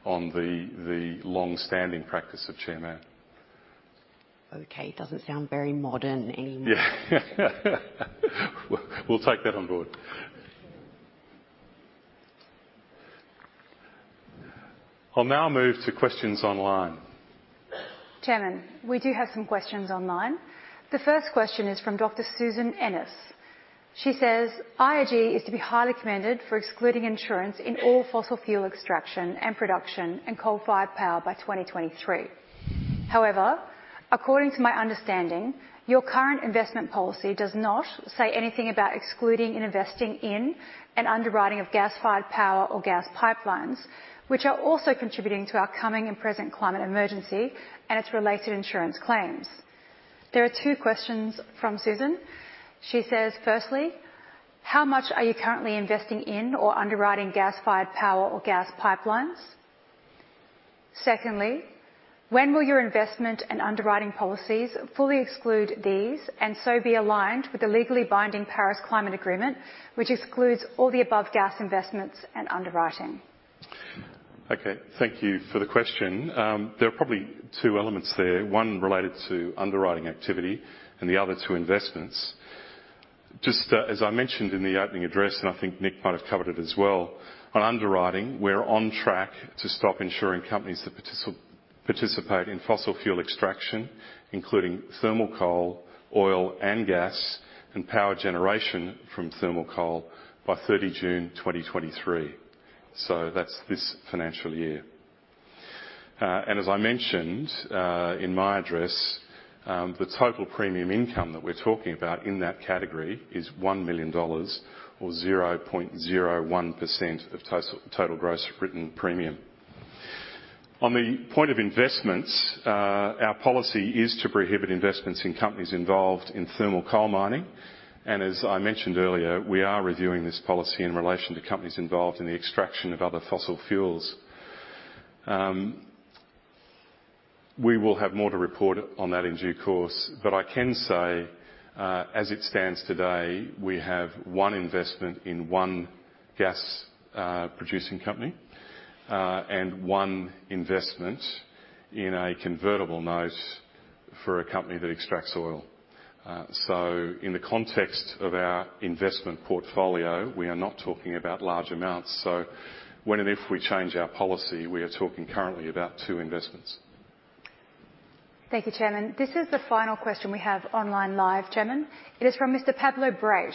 on the long-standing practice of chairman. Okay. Doesn't sound very modern anymore. We'll take that on board. I'll now move to questions online. Chairman, we do have some questions online. The first question is from Dr. Susan Ennis. She says, "IAG is to be highly commended for excluding insurance in all fossil fuel extraction and production and coal-fired power by 2023. However, according to my understanding, your current investment policy does not say anything about excluding and investing in and underwriting of gas-fired power or gas pipelines, which are also contributing to our coming and present climate emergency and its related insurance claims." There are two questions from Susan. She says, "Firstly, how much are you currently investing in or underwriting gas-fired power or gas pipelines? Secondly, when will your investment and underwriting policies fully exclude these and so be aligned with the legally binding Paris Agreement, which excludes all the above gas investments and underwriting? Okay, thank you for the question. There are probably two elements there, one related to underwriting activity and the other to investments. Just as I mentioned in the opening address, and I think Nick might have covered it as well, on underwriting, we're on track to stop insuring companies that participate in fossil fuel extraction, including thermal coal, oil and gas, and power generation from thermal coal by 30 June 2023. That's this financial year. As I mentioned in my address, the total premium income that we're talking about in that category is 1 million dollars or 0.01% of total Gross Written Premium. On the point of investments, our policy is to prohibit investments in companies involved in thermal coal mining, and as I mentioned earlier, we are reviewing this policy in relation to companies involved in the extraction of other fossil fuels. We will have more to report on that in due course, but I can say, as it stands today, we have one investment in one gas producing company, and one investment in a convertible note for a company that extracts oil. In the context of our investment portfolio, we are not talking about large amounts. When and if we change our policy, we are talking currently about two investments. Thank you, Chairman. This is the final question we have online live, Chairman. It is from Mr. Pablo Bright.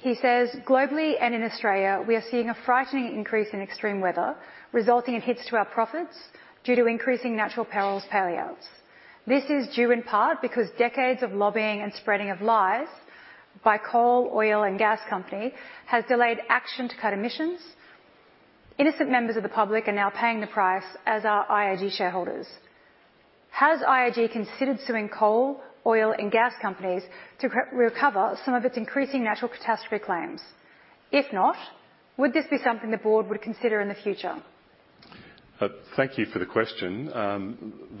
He says, "Globally and in Australia, we are seeing a frightening increase in extreme weather, resulting in hits to our profits due to increasing natural perils payouts. This is due in part because decades of lobbying and spreading of lies by coal, oil, and gas company has delayed action to cut emissions. Innocent members of the public are now paying the price, as are IAG shareholders. Has IAG considered suing coal, oil, and gas companies to recover some of its increasing natural catastrophe claims? If not, would this be something the board would consider in the future? Thank you for the question.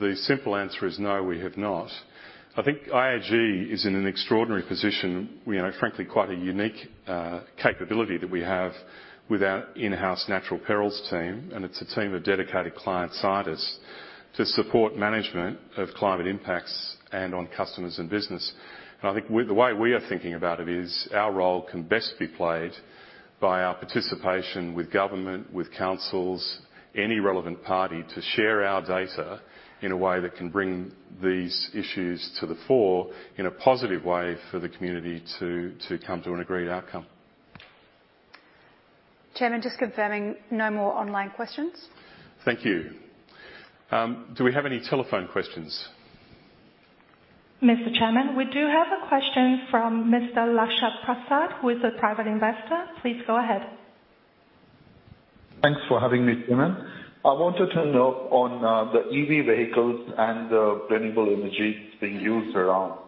The simple answer is no, we have not. I think IAG is in an extraordinary position. You know, frankly, quite a unique capability that we have with our in-house natural perils team, and it's a team of dedicated client scientists to support management of climate impacts and on customers and business. I think the way we are thinking about it is our role can best be played by our participation with government, with councils, any relevant party, to share our data in a way that can bring these issues to the fore in a positive way for the community to come to an agreed outcome. Chairman, just confirming, no more online questions. Thank you. Do we have any telephone questions? Mr. Chairman, we do have a question from Mr. Lasha Prasad, who is a private investor. Please go ahead. Thanks for having me, Chairman. I wanted to know on the EV vehicles and the renewable energy being used around.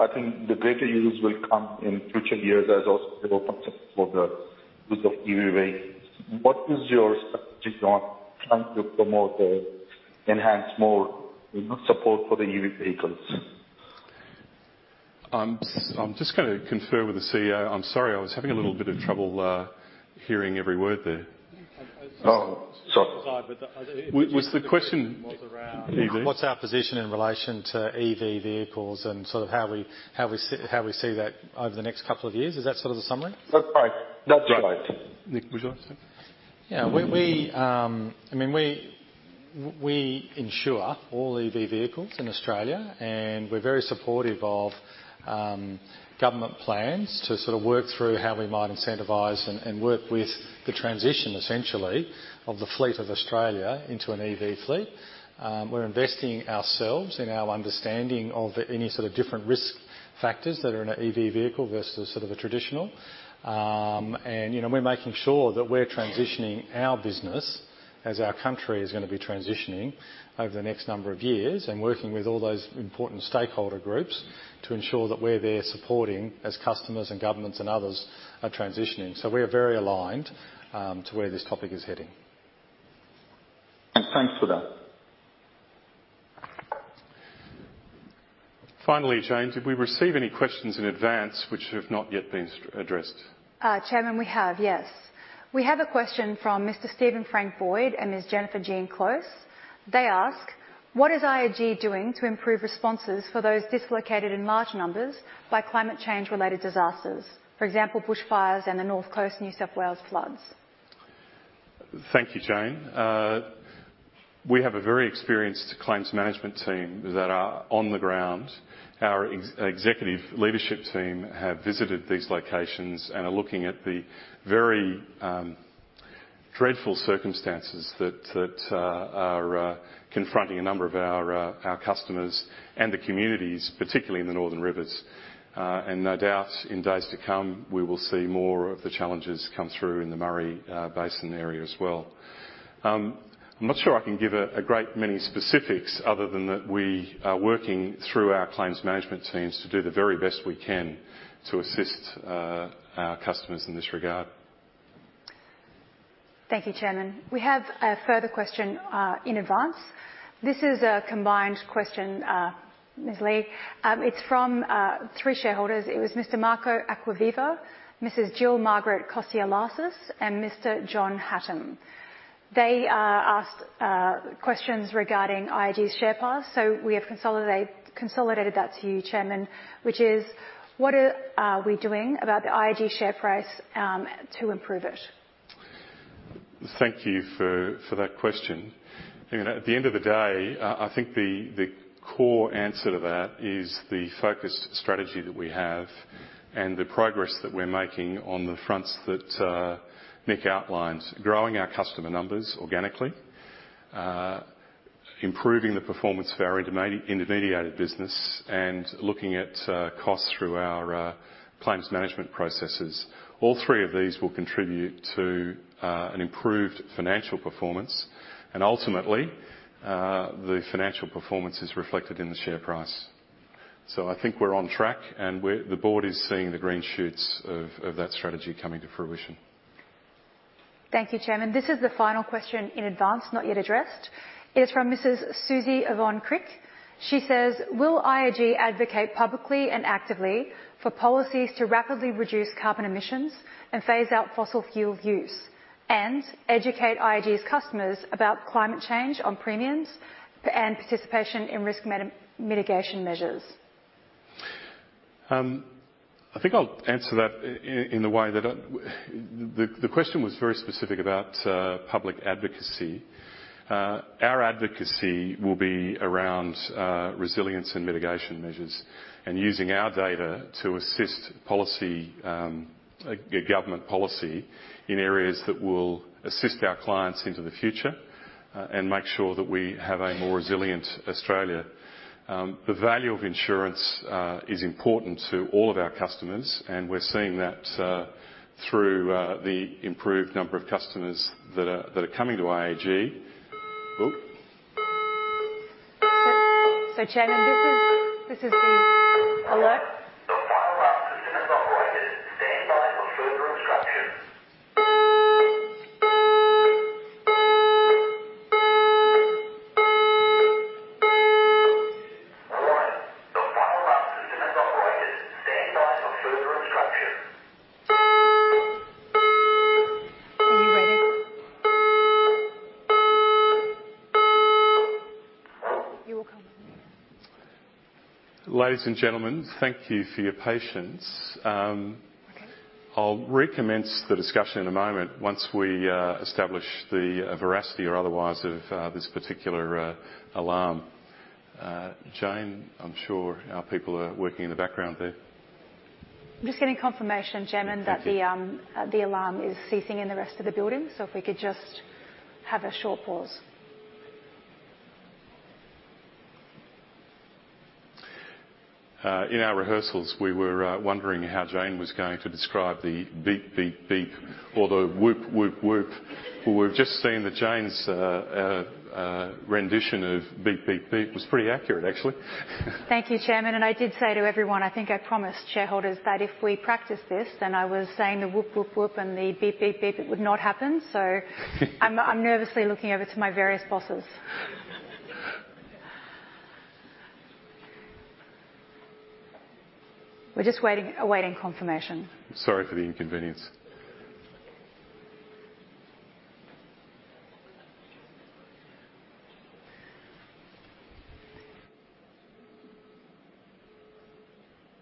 I think the greater use will come in future years as also opens up for the use of EV vehicles. What is your strategy on trying to enhance more, you know, support for the EV vehicles? I'm just gonna confer with the CEO. I'm sorry. I was having a little bit of trouble hearing every word there. Oh, sorry. Was the question? What's our position in relation to EV vehicles and sort of how we see that over the next couple of years? Is that sort of the summary? That's right. That's right. Nick, would you like to take it? Yeah. I mean, we insure all EV vehicles in Australia, and we're very supportive of government plans to sort of work through how we might incentivize and work with the transition essentially of the fleet of Australia into an EV fleet. We're investing ourselves in our understanding of any sort of different risk factors that are in an EV vehicle versus sort of a traditional. You know, we're making sure that we're transitioning our business as our country is gonna be transitioning over the next number of years and working with all those important stakeholder groups to ensure that we're there supporting as customers and governments and others are transitioning. We are very aligned to where this topic is heading. Thanks for that. Finally, Jane, did we receive any questions in advance which have not yet been addressed? Chairman, we have a question from Mr. Steven Frank Boyd and Ms. Jennifer Jean Close. They ask, "What is IAG doing to improve responses for those dislocated in large numbers by climate change-related disasters, for example, bushfires and the North Coast, New South Wales floods? Thank you, Jane. We have a very experienced claims management team that are on the ground. Our ex-executive leadership team have visited these locations and are looking at the very dreadful circumstances that are confronting a number of our customers and the communities, particularly in the Northern Rivers. No doubt in days to come, we will see more of the challenges come through in the Murray Basin area as well. I'm not sure I can give a great many specifics other than that we are working through our claims management teams to do the very best we can to assist our customers in this regard. Thank you, Chairman. We have a further question in advance. This is a combined question, Ms. Lee. It's from three shareholders. It was Mr. Marco Acquaviva, Mrs. Jill Margaret Kotsiolasis, and Mr. John Hatton. They asked questions regarding IAG's share price, so we have consolidated that to you, Chairman, which is: What are we doing about the IAG share price to improve it? Thank you for that question. I mean, at the end of the day, I think the core answer to that is the focused strategy that we have and the progress that we're making on the fronts that Nick outlined. Growing our customer numbers organically, improving the performance of our intermediated business, and looking at costs through our claims management processes. All three of these will contribute to an improved financial performance and ultimately, the financial performance is reflected in the share price. I think we're on track, and the board is seeing the green shoots of that strategy coming to fruition. Thank you, Chairman. This is the final question in advance, not yet addressed. It is from Mrs Suzy Yvonne Crick. She says, "Will IAG advocate publicly and actively for policies to rapidly reduce carbon emissions and phase out fossil fuel use and educate IAG's customers about climate change on premiums and participation in risk mitigation measures? I think I'll answer that in a way that I the question was very specific about public advocacy. Our advocacy will be around resilience and mitigation measures, and using our data to assist policy, a government policy in areas that will assist our clients into the future, and make sure that we have a more resilient Australia. The value of insurance is important to all of our customers, and we're seeing that through the improved number of customers that are coming to IAG. Oops. Chairman, this is the alert. The fire alarm system is operated. Stand by for further instructions. Warning, the fire alarm system is operated. Stand by for further instructions. Are you ready? You will come with me. Ladies and gentlemen, thank you for your patience. Okay. I'll recommence the discussion in a moment once we establish the veracity or otherwise of this particular alarm. Jane, I'm sure our people are working in the background there. I'm just getting confirmation, Chairman that the alarm is ceasing in the rest of the building, so if we could just have a short pause. In our rehearsals, we were wondering how Jane was going to describe the beep, beep or the whoop, whoop. Well, we've just seen that Jane's rendition of beep, beep was pretty accurate, actually. Thank you, Chairman, and I did say to everyone, I think I promised shareholders that if we practiced this, then I was saying the whoop, whoop, and the beep, beep, it would not happen. I'm nervously looking over to my various bosses. We're just waiting, awaiting confirmation. Sorry for the inconvenience.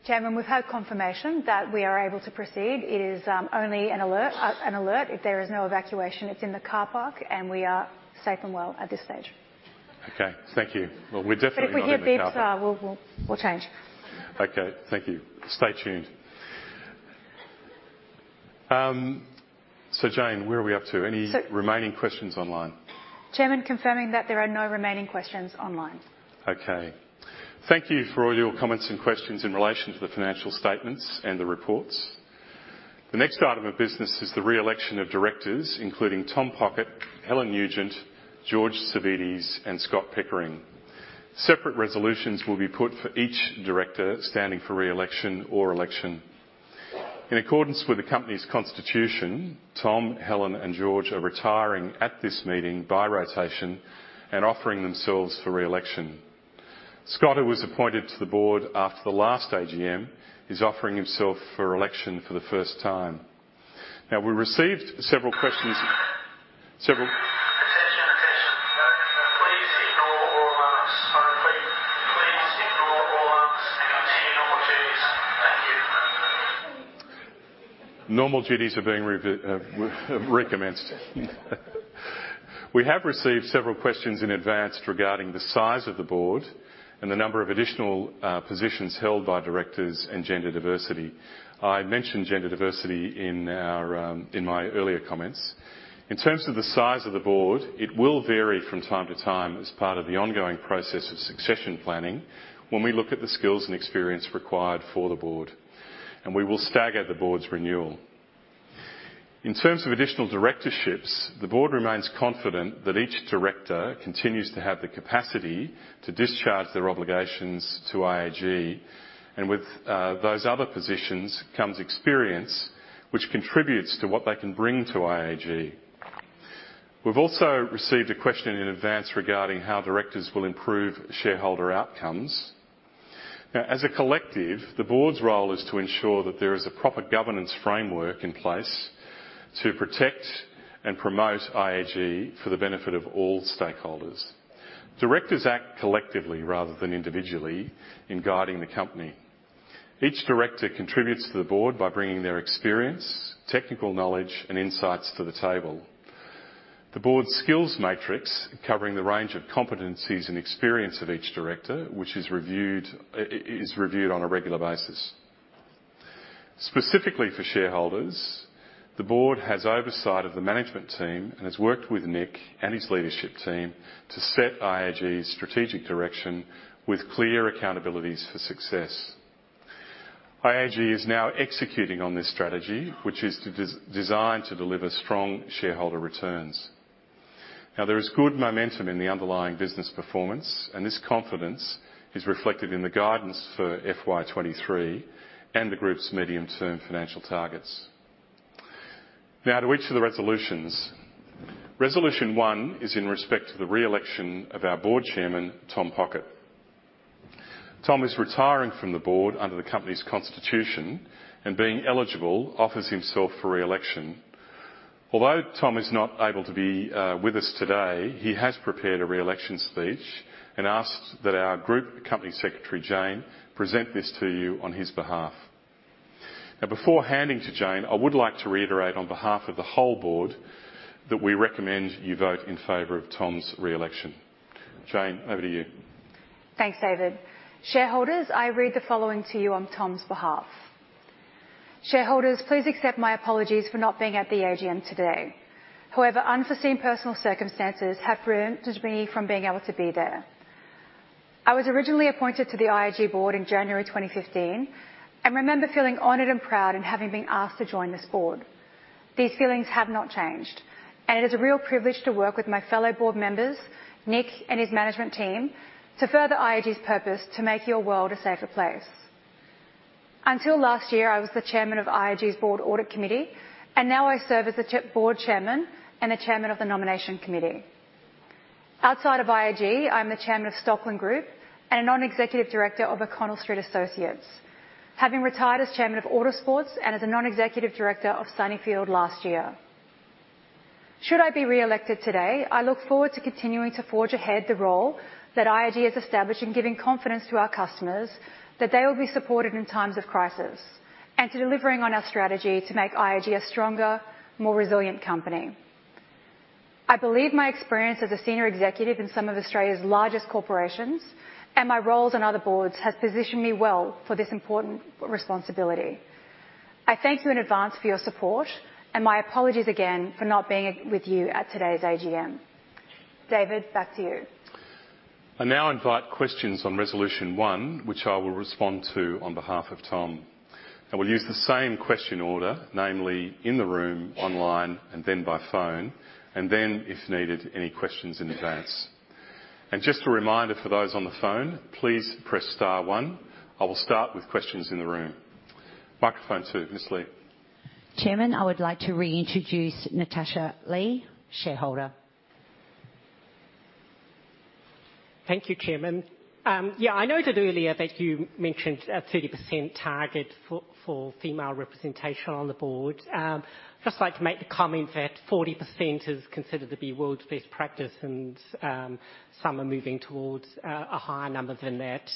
Chairman, we've had confirmation that we are able to proceed. It is only an alert. If there is no evacuation. It's in the car park, and we are safe and well at this stage. Okay. Thank you. Well, we're definitely not in the car park. If we hear beeps, we'll change. Okay. Thank you. Stay tuned. Jane, where are we up to? Any- So- Remaining questions online? Chairman, confirming that there are no remaining questions online. Okay. Thank you for all your comments and questions in relation to the financial statements and the reports. The next item of business is the re-election of directors, including Tom Pockett, Helen Nugent, George Savvides, and Scott Pickering. Separate resolutions will be put for each director standing for re-election or election. In accordance with the company's constitution, Tom, Helen, and George are retiring at this meeting by rotation and offering themselves for re-election. Scott, who was appointed to the board after the last AGM, is offering himself for election for the first time. Now, we received several questions. Attention, attention. Please ignore all alarms. I repeat, please ignore all alarms and continue normal duties. Thank you. Normal duties are being recommenced. We have received several questions in advance regarding the size of the board and the number of additional positions held by directors and gender diversity. I mentioned gender diversity in my earlier comments. In terms of the size of the board, it will vary from time to time as part of the ongoing process of succession planning when we look at the skills and experience required for the board, and we will stagger the board's renewal. In terms of additional directorships, the board remains confident that each director continues to have the capacity to discharge their obligations to IAG. With those other positions comes experience which contributes to what they can bring to IAG. We've also received a question in advance regarding how directors will improve shareholder outcomes. Now, as a collective, the board's role is to ensure that there is a proper governance framework in place to protect and promote IAG for the benefit of all stakeholders. Directors act collectively rather than individually in guiding the company. Each director contributes to the board by bringing their experience, technical knowledge, and insights to the table. The board's skills matrix, covering the range of competencies and experience of each director, which is reviewed on a regular basis. Specifically for shareholders, the board has oversight of the management team and has worked with Nick and his leadership team to set IAG's strategic direction with clear accountabilities for success. IAG is now executing on this strategy, which is designed to deliver strong shareholder returns. Now, there is good momentum in the underlying business performance, and this confidence is reflected in the guidance for FY 2023 and the group's medium-term financial targets. Now to each of the resolutions. Resolution one is in respect to the re-election of our Board Chairman, Tom Pockett. Tom is retiring from the board under the company's constitution, and being eligible, offers himself for re-election. Although Tom is not able to be with us today, he has prepared a re-election speech and asks that our Group Company Secretary, Jane, present this to you on his behalf. Now before handing to Jane, I would like to reiterate on behalf of the whole board that we recommend you vote in favor of Tom's re-election. Jane, over to you. Thanks, David. Shareholders, I read the following to you on Tom's behalf. "Shareholders, please accept my apologies for not being at the AGM today. However, unforeseen personal circumstances have prevented me from being able to be there. I was originally appointed to the IAG board in January 2015 and remember feeling honored and proud in having been asked to join this board. These feelings have not changed, and it is a real privilege to work with my fellow board members, Nick and his management team, to further IAG's purpose to make your world a safer place. Until last year, I was the chairman of IAG's board audit committee, and now I serve as the board chairman and the chairman of the nomination committee. Outside of IAG, I'm the chairman of Stockland Group and a non-executive director of O'Connell Street Associates, having retired as chairman of Autosports Group and as a non-executive director of Sunnyfield last year. Should I be re-elected today, I look forward to continuing to forge ahead the role that IAG has established in giving confidence to our customers that they will be supported in times of crisis, and to delivering on our strategy to make IAG a stronger, more resilient company. I believe my experience as a senior executive in some of Australia's largest corporations and my roles on other boards has positioned me well for this important responsibility. I thank you in advance for your support, and my apologies again for not being with you at today's AGM. David, back to you. I now invite questions on resolution one, which I will respond to on behalf of Tom. I will use the same question order, namely in the room, online, and then by phone, and then, if needed, any questions in advance. Just a reminder for those on the phone, please press star one. I will start with questions in the room. Microphone two, Ms. Lee. Chairman, I would like to reintroduce Natasha Lee, shareholder. Thank you, Chairman. I noted earlier that you mentioned a 30% target for female representation on the board. Just like to make the comment that 40% is considered to be world's best practice, and some are moving towards a higher number than that.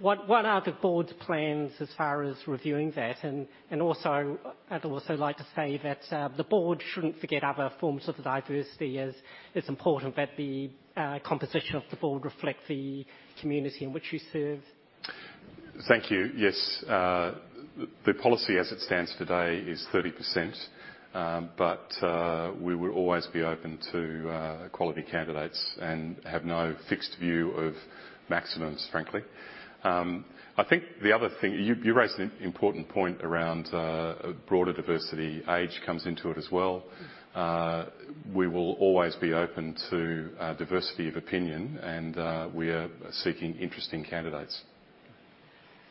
What are the board's plans as far as reviewing that? I'd also like to say that the board shouldn't forget other forms of diversity, as it's important that the composition of the board reflect the community in which you serve. Thank you. Yes. The policy as it stands today is 30%, but we will always be open to quality candidates and have no fixed view of maximums, frankly. I think the other thing. You raised an important point around broader diversity. Age comes into it as well. We will always be open to diversity of opinion, and we are seeking interesting candidates.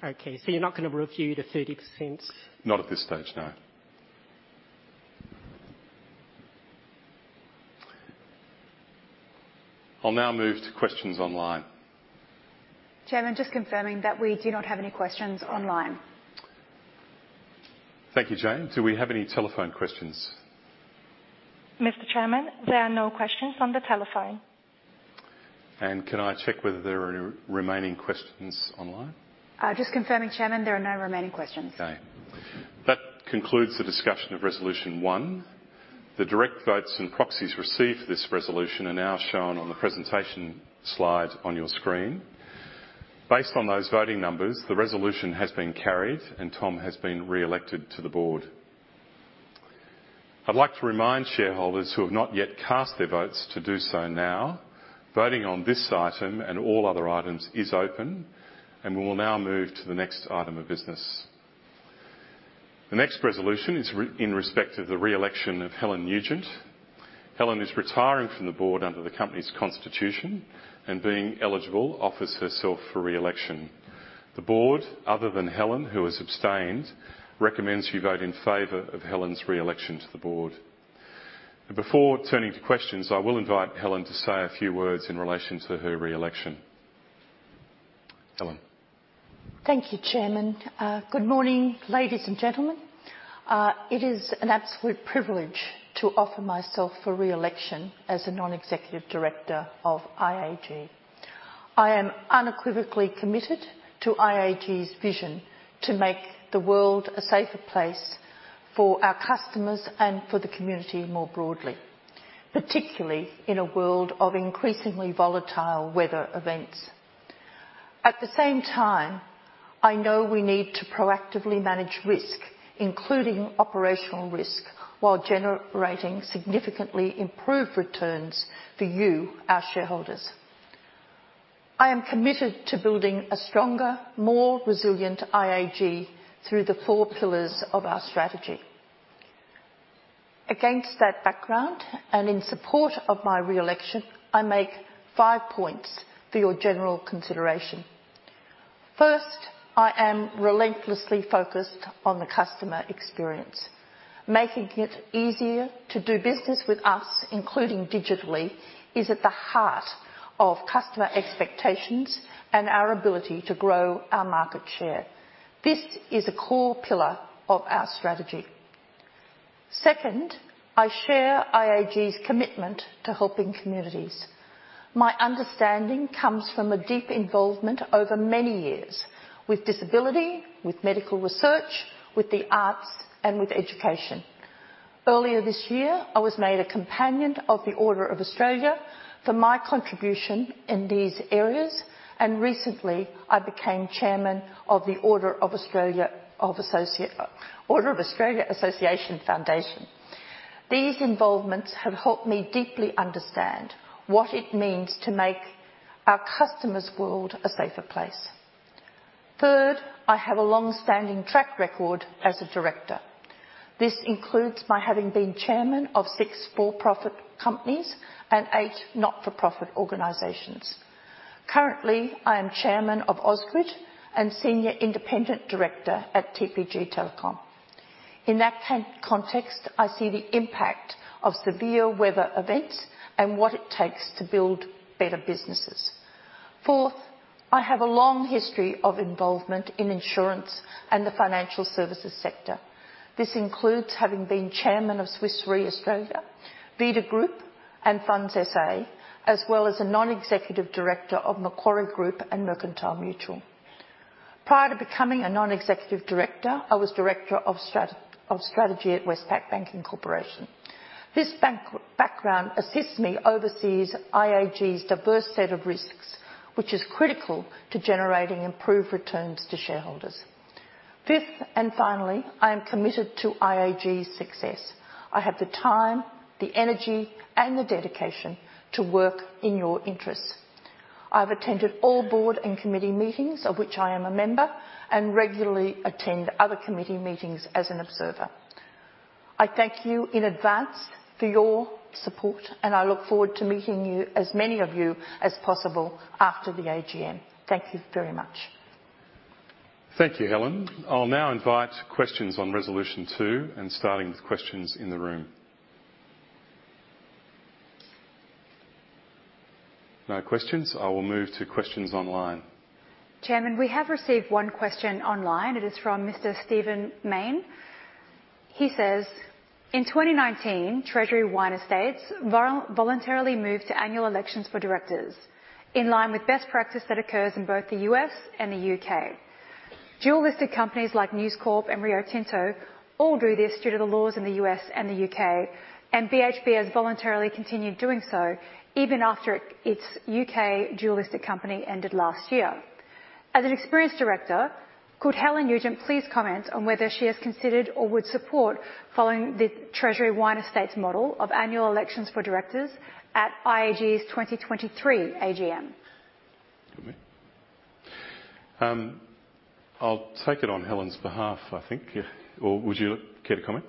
Okay, you're not gonna review the 30%? Not at this stage, no. I'll now move to questions online. Chairman, just confirming that we do not have any questions online. Thank you, Jane. Do we have any telephone questions? Mr. Chairman, there are no questions on the telephone. Can I check whether there are any remaining questions online? Just confirming, Chairman, there are no remaining questions. Okay. That concludes the discussion of resolution one. The direct votes and proxies received for this resolution are now shown on the presentation slide on your screen. Based on those voting numbers, the resolution has been carried and Tom has been re-elected to the board. I'd like to remind shareholders who have not yet cast their votes to do so now. Voting on this item and all other items is open, and we'll now move to the next item of business. The next resolution is in respect to the re-election of Helen Nugent. Helen is retiring from the board under the company's constitution, and being eligible, offers herself for re-election. The board, other than Helen, who has abstained, recommends you vote in favor of Helen's re-election to the board. Before turning to questions, I will invite Helen to say a few words in relation to her re-election. Helen. Thank you, Chairman. Good morning, ladies and gentlemen. It is an absolute privilege to offer myself for re-election as a non-executive director of IAG. I am unequivocally committed to IAG's vision to make the world a safer place for our customers and for the community more broadly, particularly in a world of increasingly volatile weather events. At the same time, I know we need to proactively manage risk, including operational risk, while generating significantly improved returns for you, our shareholders. I am committed to building a stronger, more resilient IAG through the four pillars of our strategy. Against that background, and in support of my re-election, I make five points for your general consideration. First, I am relentlessly focused on the customer experience. Making it easier to do business with us, including digitally, is at the heart of customer expectations and our ability to grow our market share. This is a core pillar of our strategy. Second, I share IAG's commitment to helping communities. My understanding comes from a deep involvement over many years with disability, with medical research, with the arts, and with education. Earlier this year, I was made a Companion of the Order of Australia for my contribution in these areas, and recently I became Chairman of the Order of Australia Association Foundation. These involvements have helped me deeply understand what it means to make our customers' world a safer place. Third, I have a long-standing track record as a director. This includes my having been chairman of six for-profit companies and eight not-for-profit organizations. Currently, I am Chairman of Ausgrid and Senior Independent Director at TPG Telecom. In that context, I see the impact of severe weather events and what it takes to build better businesses. Fourth, I have a long history of involvement in insurance and the financial services sector. This includes having been chairman of Swiss Re Australia, Veda Group, and Funds SA, as well as a non-executive director of Macquarie Group and Mercantile Mutual. Prior to becoming a non-executive director, I was Director of Strategy at Westpac Banking Corporation. This banking background assists me in overseeing IAG's diverse set of risks, which is critical to generating improved returns to shareholders. Fifth and finally, I am committed to IAG's success. I have the time, the energy, and the dedication to work in your interests. I've attended all board and committee meetings of which I am a member and regularly attend other committee meetings as an observer. I thank you in advance for your support and I look forward to meeting you, as many of you as possible, after the AGM. Thank you very much. Thank you, Helen. I'll now invite questions on resolution 2 and starting with questions in the room. No questions. I will move to questions online. Chairman, we have received one question online. It is from Mr. Stephen Mayne. He says, "In 2019, Treasury Wine Estates voluntarily moved to annual elections for directors in line with best practice that occurs in both the U.S. and the U.K. Dual-listed companies like News Corp and Rio Tinto all do this due to the laws in the U.S. and the U.K., and BHP has voluntarily continued doing so even after its U.K. dual-listed company ended last year. As an experienced director, could Helen Nugent please comment on whether she has considered or would support following the Treasury Wine Estates model of annual elections for directors at IAG's 2023 AGM? I'll take it on Helen's behalf, I think, or would you care to comment?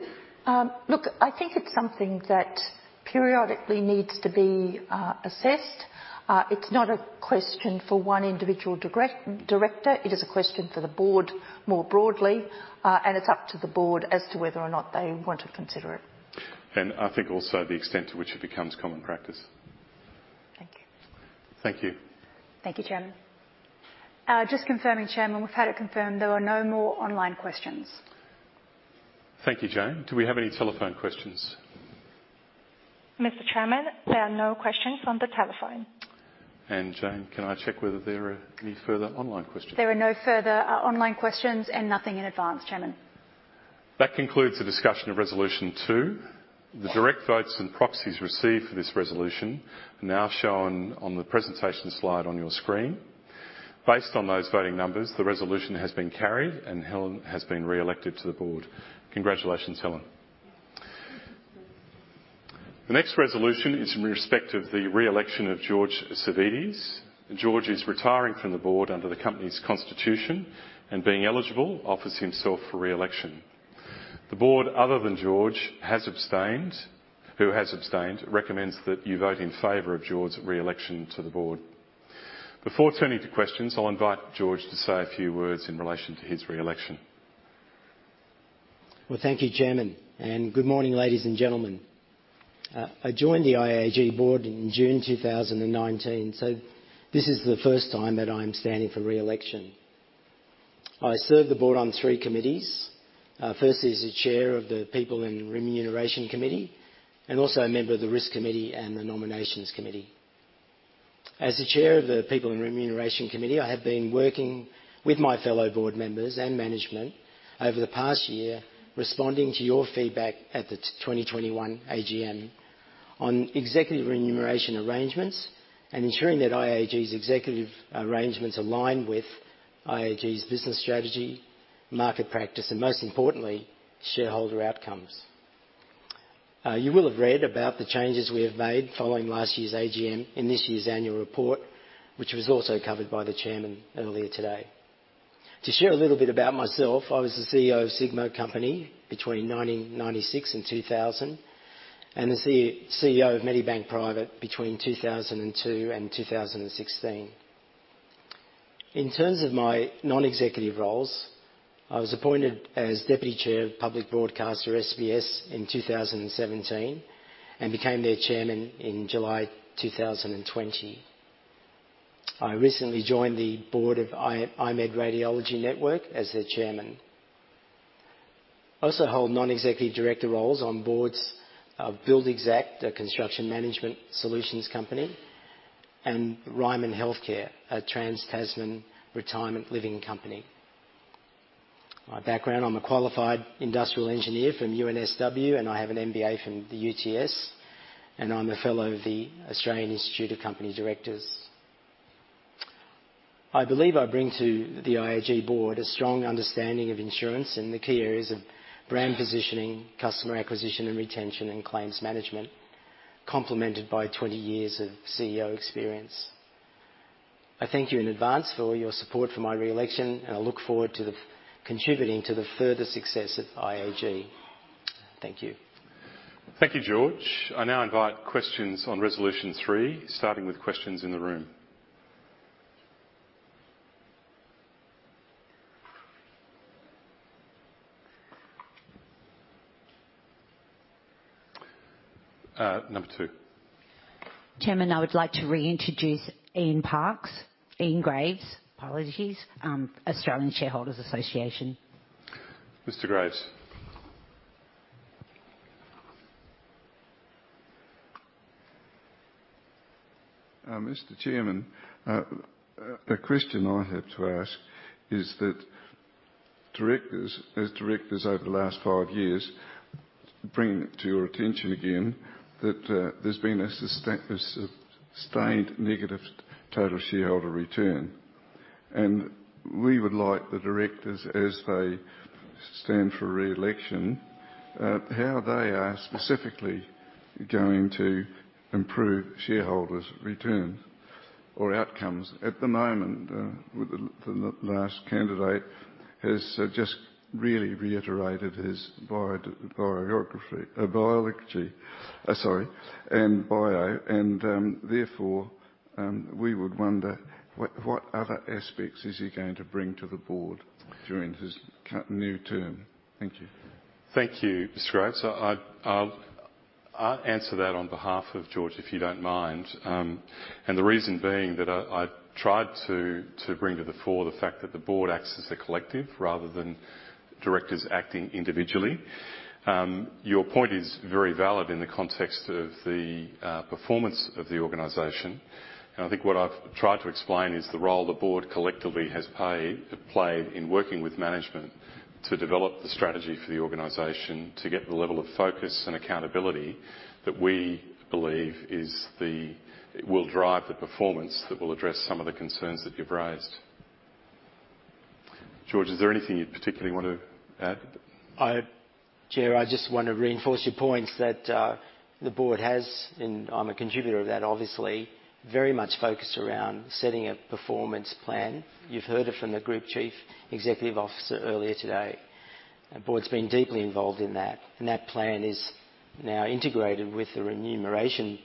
Look, I think it's something that periodically needs to be assessed. It's not a question for one individual director, it is a question for the board more broadly, and it's up to the board as to whether or not they want to consider it. I think also the extent to which it becomes common practice. Thank you. Thank you. Thank you, Chairman. Just confirming, Chairman, we've had it confirmed there are no more online questions. Thank you, Jane. Do we have any telephone questions? Mr. Chairman, there are no questions on the telephone. Jane, can I check whether there are any further online questions? There are no further online questions and nothing in advance, Chairman. That concludes the discussion of resolution 2. The direct votes and proxies received for this resolution are now shown on the presentation slide on your screen. Based on those voting numbers, the resolution has been carried and Helen has been re-elected to the board. Congratulations, Helen. The next resolution is in respect of the re-election of George Savvides. George is retiring from the board under the company's constitution and being eligible, offers himself for re-election. The board, other than George, who has abstained, recommends that you vote in favor of George's re-election to the board. Before turning to questions, I'll invite George to say a few words in relation to his re-election. Well, thank you, Chairman, and good morning, ladies and gentlemen. I joined the IAG board in June 2019, so this is the first time that I'm standing for re-election. I serve the board on three committees. Firstly, as the Chair of the People and Remuneration Committee, and also a member of the Risk Committee and the Nominations Committee. As the Chair of the People and Remuneration Committee, I have been working with my fellow board members and management over the past year, responding to your feedback at the 2021 AGM on executive remuneration arrangements and ensuring that IAG's executive arrangements align with IAG's business strategy, market practice, and most importantly, shareholder outcomes. You will have read about the changes we have made following last year's AGM in this year's annual report, which was also covered by the Chairman earlier today. To share a little bit about myself, I was the CEO of Sigma Company between 1996 and 2000, and the CEO of Medibank Private between 2002 and 2016. In terms of my non-executive roles, I was appointed as Deputy Chair of public broadcaster SBS in 2017, and became their Chairman in July 2020. I recently joined the board of I-MED Radiology Network as their Chairman. I also hold non-executive director roles on boards of Buildxact, a construction management solutions company, and Ryman Healthcare, a trans-Tasman retirement living company. My background, I'm a qualified industrial engineer from UNSW, and I have an MBA from the UTS, and I'm a fellow of the Australian Institute of Company Directors. I believe I bring to the IAG board a strong understanding of insurance and the key areas of brand positioning, customer acquisition and retention, and claims management, complemented by 20 years of CEO experience. I thank you in advance for all your support for my re-election, and I look forward to contributing to the further success at IAG. Thank you. Thank you, George. I now invite questions on resolution 3, starting with questions in the room. Number 2. Chairman, I would like to reintroduce Ian Graves, apologies, Australian Shareholders' Association. Mr. Graves. Mr. Chairman, the question I have to ask is that directors, as directors over the last five years, bring to your attention again that there's been a sustained negative total shareholder return. We would like the directors, as they stand for re-election, how they are specifically going to improve shareholders' return or outcomes. At the moment, with the last candidate has just really reiterated his biography, therefore, we would wonder what other aspects is he going to bring to the board during his new term? Thank you. Thank you, Mr. Graves. I'll answer that on behalf of George, if you don't mind. The reason being that I tried to bring to the fore the fact that the board acts as a collective rather than directors acting individually. Your point is very valid in the context of the performance of the organization. I think what I've tried to explain is the role the board collectively has played in working with management to develop the strategy for the organization to get the level of focus and accountability that we believe will drive the performance that will address some of the concerns that you've raised. George, is there anything you'd particularly want to add? Chair, I just wanna reinforce your points that the board has, and I'm a contributor of that obviously, very much focused around setting a performance plan. You've heard it from the Group Chief Executive Officer earlier today. The board's been deeply involved in that, and that plan is now integrated with the remuneration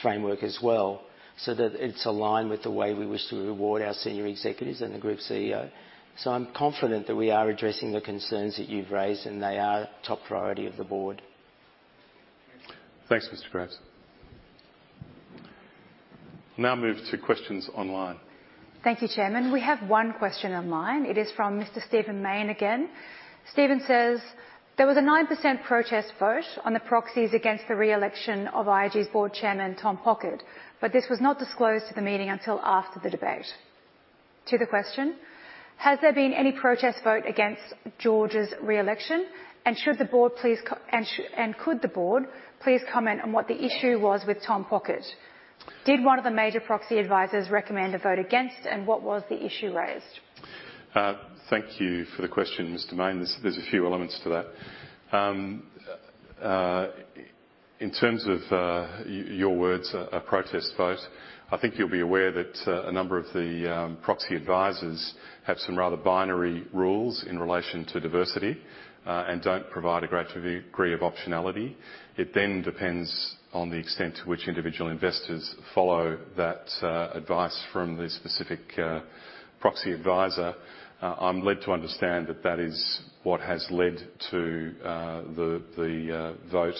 framework as well, so that it's aligned with the way we wish to reward our senior executives and the group CEO. I'm confident that we are addressing the concerns that you've raised, and they are top priority of the board. Thanks, Mr. Graves. Now move to questions online. Thank you, Chairman. We have one question online. It is from Mr. Stephen Mayne again. Stephen says there was a 9% protest vote on the proxies against the re-election of IAG's board chairman, Tom Pockett, but this was not disclosed to the meeting until after the debate. To the question, has there been any protest vote against George's re-election? Could the board please comment on what the issue was with Tom Pockett? Did one of the major proxy advisors recommend a vote against and what was the issue raised? Thank you for the question, Mr. Mayne. There's a few elements to that. In terms of your words, a protest vote, I think you'll be aware that a number of the proxy advisors have some rather binary rules in relation to diversity, and don't provide a great degree of optionality. It then depends on the extent to which individual investors follow that advice from the specific proxy advisor. I'm led to understand that that is what has led to the vote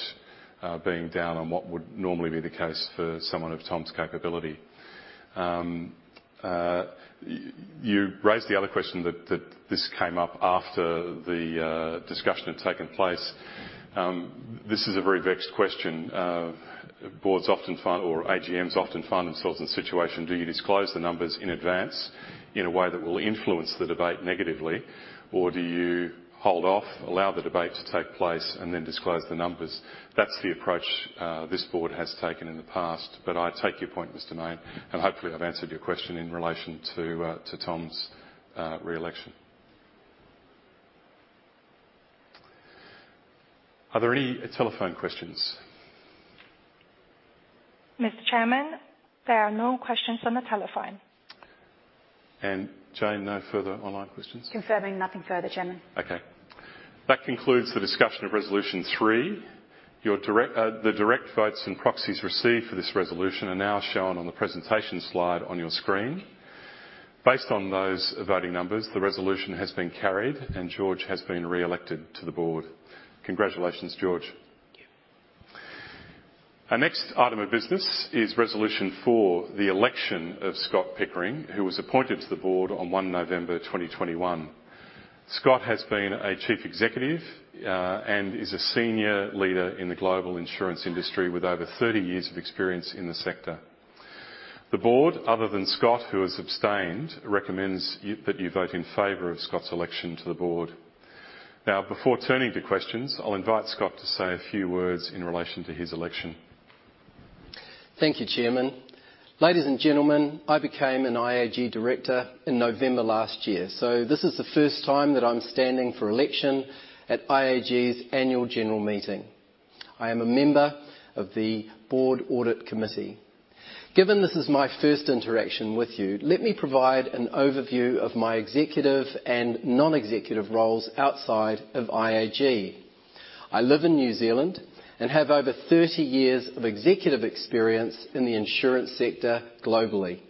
being down on what would normally be the case for someone of Tom's capability. You raised the other question that this came up after the discussion had taken place. This is a very vexed question. AGMs often find themselves in situation, do you disclose the numbers in advance in a way that will influence the debate negatively, or do you hold off, allow the debate to take place, and then disclose the numbers? That's the approach this board has taken in the past. I take your point, Mr. Mayne, and hopefully I've answered your question in relation to Tom's re-election. Are there any telephone questions? Mr. Chairman, there are no questions on the telephone. Jane, no further online questions? Confirming nothing further, Chairman. Okay. That concludes the discussion of resolution 3. The direct votes and proxies received for this resolution are now shown on the presentation slide on your screen. Based on those voting numbers, the resolution has been carried and George has been re-elected to the board. Congratulations, George. Thank you. Our next item of business is resolution for the election of Scott Pickering, who was appointed to the board on 1 November 2021. Scott has been a chief executive and is a senior leader in the global insurance industry with over 30 years of experience in the sector. The board, other than Scott, who has abstained, recommends that you vote in favor of Scott's election to the board. Now, before turning to questions, I'll invite Scott to say a few words in relation to his election. Thank you, Chairman. Ladies and gentlemen, I became an IAG director in November last year. This is the first time that I'm standing for election at IAG's annual general meeting. I am a member of the board audit committee. Given this is my first interaction with you, let me provide an overview of my executive and non-executive roles outside of IAG. I live in New Zealand and have over 30 years of executive experience in the insurance sector globally.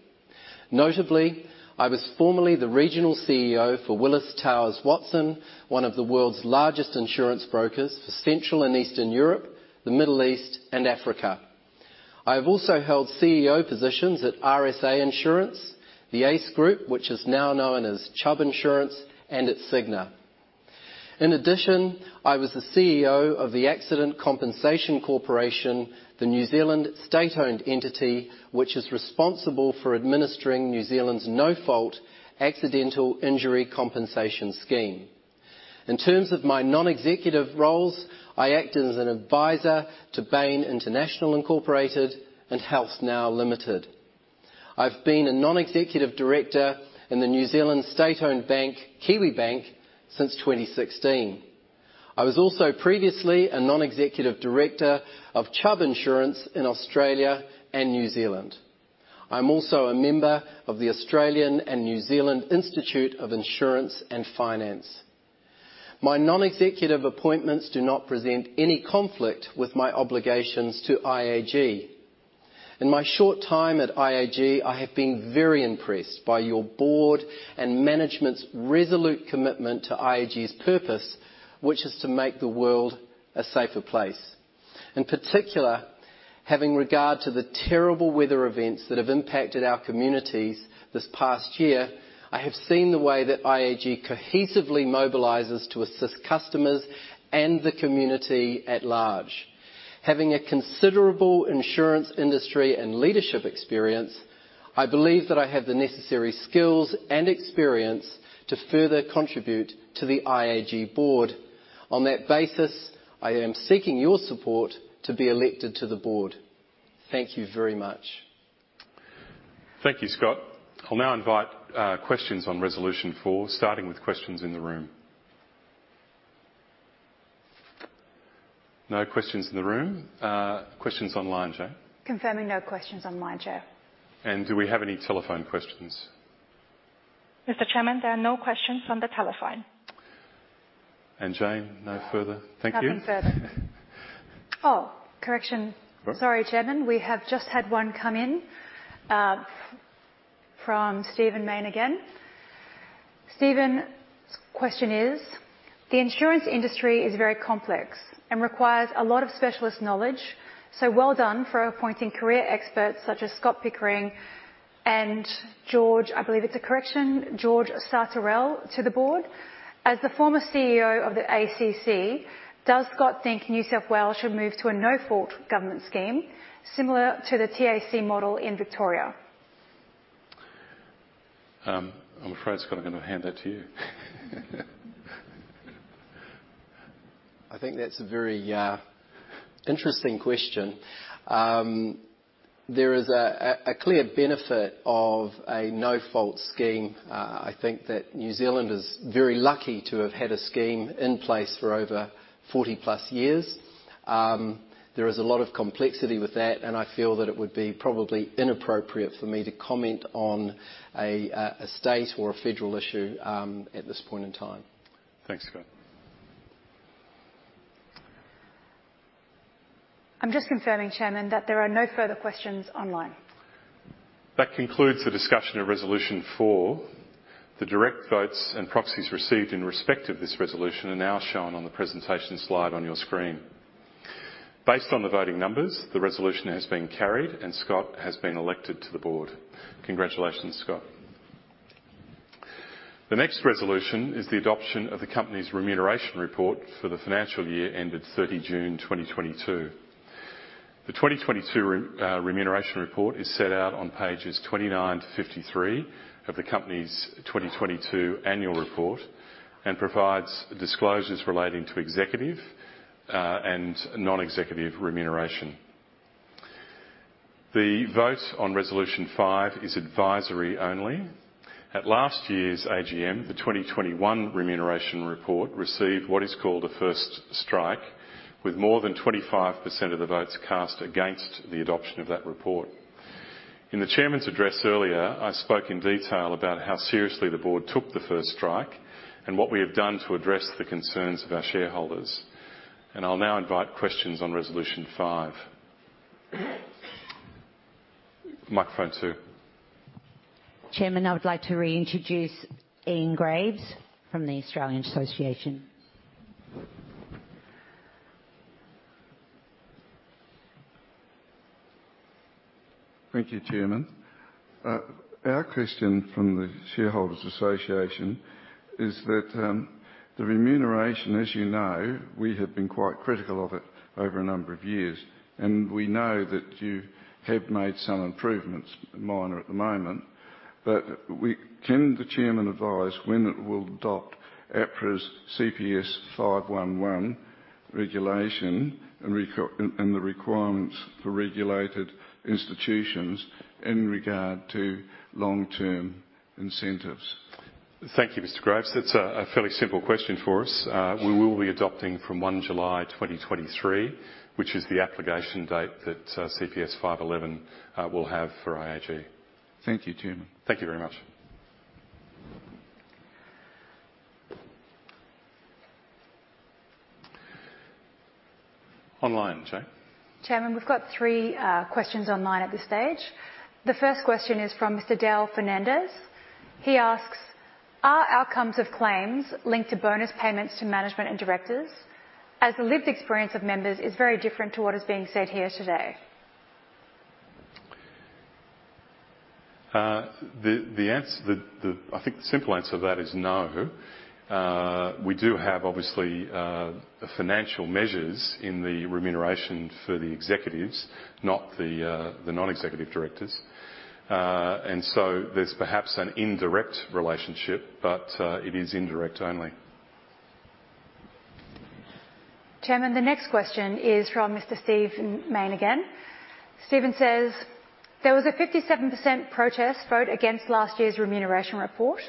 Notably, I was formerly the regional CEO for Willis Towers Watson, one of the world's largest insurance brokers for Central and Eastern Europe, the Middle East and Africa. I have also held CEO positions at RSA Insurance, the ACE Group, which is now known as Chubb Insurance, and at Cigna. In addition, I was the CEO of the Accident Compensation Corporation, the New Zealand state-owned entity, which is responsible for administering New Zealand's no-fault accidental injury compensation scheme. In terms of my non-executive roles, I act as an advisor to Bain & Company and HealthNow Limited. I've been a non-executive director in the New Zealand state-owned bank, Kiwibank, since 2016. I was also previously a non-executive director of Chubb Insurance in Australia and New Zealand. I'm also a member of the Australian and New Zealand Institute of Insurance and Finance. My non-executive appointments do not present any conflict with my obligations to IAG. In my short time at IAG, I have been very impressed by your board and management's resolute commitment to IAG's purpose, which is to make the world a safer place. In particular, having regard to the terrible weather events that have impacted our communities this past year, I have seen the way that IAG cohesively mobilizes to assist customers and the community at large. Having a considerable insurance industry and leadership experience, I believe that I have the necessary skills and experience to further contribute to the IAG board. On that basis, I am seeking your support to be elected to the board. Thank you very much. Thank you, Scott. I'll now invite questions on resolution four, starting with questions in the room. No questions in the room. Questions online, Jane? Confirming no questions online, Chair. Do we have any telephone questions? Mr. Chairman, there are no questions on the telephone. Jane, no further. Thank you. Nothing further. Oh, correction. Sorry, Chairman. We have just had one come in from Steven Main again. Steven's question is: the insurance industry is very complex and requires a lot of specialist knowledge, so well done for appointing career experts such as Scott Pickering and George, I believe it's a correction, George Sartorel to the board. As the former CEO of the ACC, does Scott think New South Wales should move to a no-fault government scheme similar to the TAC model in Victoria? I'm afraid, Scott, I'm gonna hand that to you. I think that's a very interesting question. There is a clear benefit of a no-fault scheme. I think that New Zealand is very lucky to have had a scheme in place for over 40+ years. There is a lot of complexity with that, and I feel that it would be probably inappropriate for me to comment on a state or a federal issue at this point in time. Thanks, Scott. I'm just confirming, Chairman, that there are no further questions online. That concludes the discussion of resolution 4. The direct votes and proxies received in respect of this resolution are now shown on the presentation slide on your screen. Based on the voting numbers, the resolution has been carried and Scott has been elected to the board. Congratulations, Scott. The next resolution is the adoption of the company's remuneration report for the financial year ended 30 June 2022. The 2022 remuneration report is set out on pages 29 to 53 of the company's 2022 annual report and provides disclosures relating to executive and non-executive remuneration. The vote on resolution 5 is advisory only. At last year's AGM, the 2021 remuneration report received what is called a first strike, with more than 25% of the votes cast against the adoption of that report. In the Chairman's address earlier, I spoke in detail about how seriously the board took the first strike and what we have done to address the concerns of our shareholders. I'll now invite questions on resolution five. Microphone two. Chairman, I would like to reintroduce Ian Graves from the Australian Shareholders' Association. Thank you, Chairman. Our question from the Shareholders Association is that, the remuneration, as you know, we have been quite critical of it over a number of years, and we know that you have made some improvements, minor at the moment. Can the Chairman advise when it will adopt APRA's CPS 511 regulation and the requirements for regulated institutions in regard to long-term incentives? Thank you, Mr. Graves. That's a fairly simple question for us. We will be adopting from 1 July 2023, which is the application date that CPS 511 will have for IAG. Thank you, Chairman. Thank you very much. Online, Jane. Chairman, we've got three questions online at this stage. The first question is from Mr. Dale Fernandes. He asks, "Are outcomes of claims linked to bonus payments to management and directors as the lived experience of members is very different to what is being said here today? I think the simple answer to that is no. We do have obviously financial measures in the remuneration for the executives, not the non-executive directors. There's perhaps an indirect relationship, but it is indirect only. Chairman, the next question is from Mr. Stephen Mayne again. Stephen says, "There was a 57% protest vote against last year's remuneration report,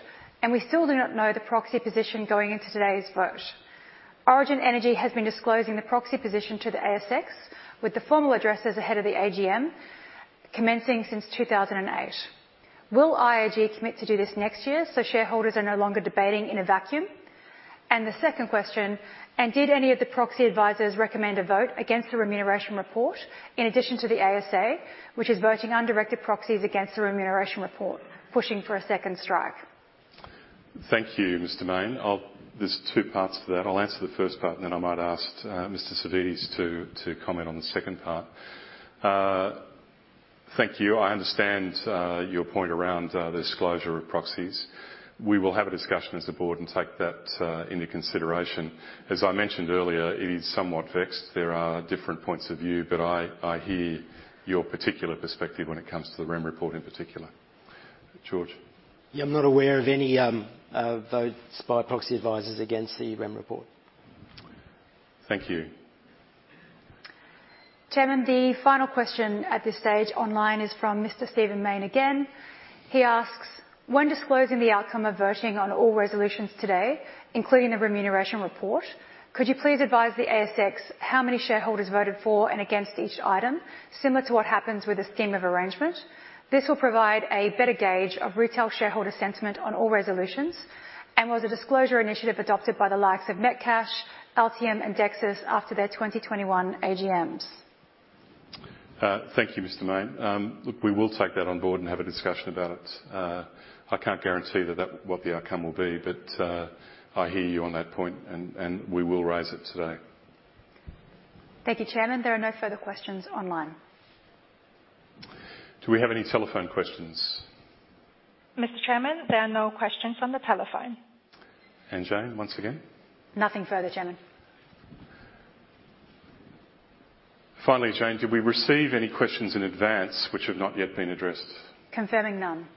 and we still do not know the proxy position going into today's vote. Origin Energy has been disclosing the proxy position to the ASX with the formal addresses ahead of the AGM commencing since 2008. Will IAG commit to do this next year so shareholders are no longer debating in a vacuum?" And the second question: "And did any of the proxy advisors recommend a vote against the remuneration report in addition to the ASA, which is voting undirected proxies against the remuneration report, pushing for a second strike? Thank you, Mr. Mayne. There are two parts to that. I'll answer the first part, and then I might ask Mr. Savvides to comment on the second part. Thank you. I understand your point around the disclosure of proxies. We will have a discussion as a board and take that into consideration. As I mentioned earlier, it is somewhat vexed. There are different points of view, but I hear your particular perspective when it comes to the remuneration report in particular. George? Yeah, I'm not aware of any votes by proxy advisors against the REM Report. Thank you. Chairman, the final question at this stage online is from Mr. Stephen Mayne again. He asks, "When disclosing the outcome of voting on all resolutions today, including the remuneration report, could you please advise the ASX how many shareholders voted for and against each item, similar to what happens with a scheme of arrangement? This will provide a better gauge of retail shareholder sentiment on all resolutions, and was a disclosure initiative adopted by the likes of Metcash, Altium, and Dexus after their 2021 AGMs. Thank you, Mr. Mayne. Look, we will take that on board and have a discussion about it. I can't guarantee that what the outcome will be, but I hear you on that point and we will raise it today. Thank you, Chairman. There are no further questions online. Do we have any telephone questions? Mr. Chairman, there are no questions on the telephone. Jane, once again. Nothing further, Chairman. Finally, Jane, did we receive any questions in advance which have not yet been addressed? Confirming none.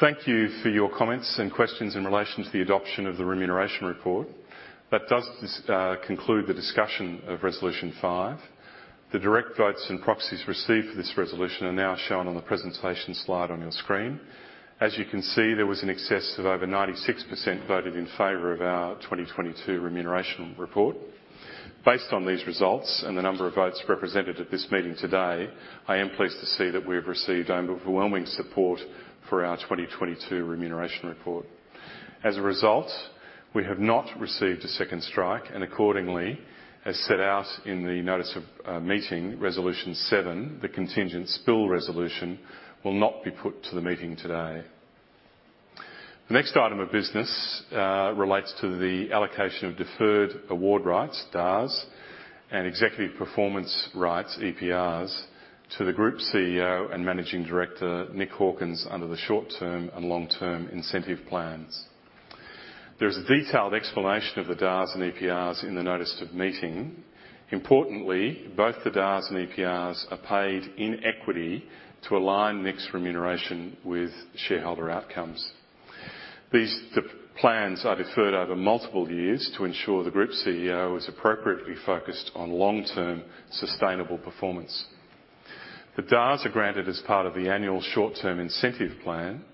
Thank you for your comments and questions in relation to the adoption of the remuneration report. That does conclude the discussion of resolution five. The direct votes and proxies received for this resolution are now shown on the presentation slide on your screen. As you can see, there was an excess of over 96% voted in favor of our 2022 remuneration report. Based on these results and the number of votes represented at this meeting today, I am pleased to see that we have received overwhelming support for our 2022 remuneration report. As a result, we have not received a second strike and accordingly, as set out in the notice of meeting resolution seven, the contingent spill resolution will not be put to the meeting today. The next item of business relates to the allocation of deferred award rights, DARS, and executive performance rights, EPRs, to the Group CEO and Managing Director, Nick Hawkins, under the short-term and long-term incentive plans. There is a detailed explanation of the DARS and EPRs in the notice of meeting. Importantly, both the DARS and EPRs are paid in equity to align Nick's remuneration with shareholder outcomes. These plans are deferred over multiple years to ensure the Group CEO is appropriately focused on long-term sustainable performance. The DARS are granted as part of the annual short-term incentive plan.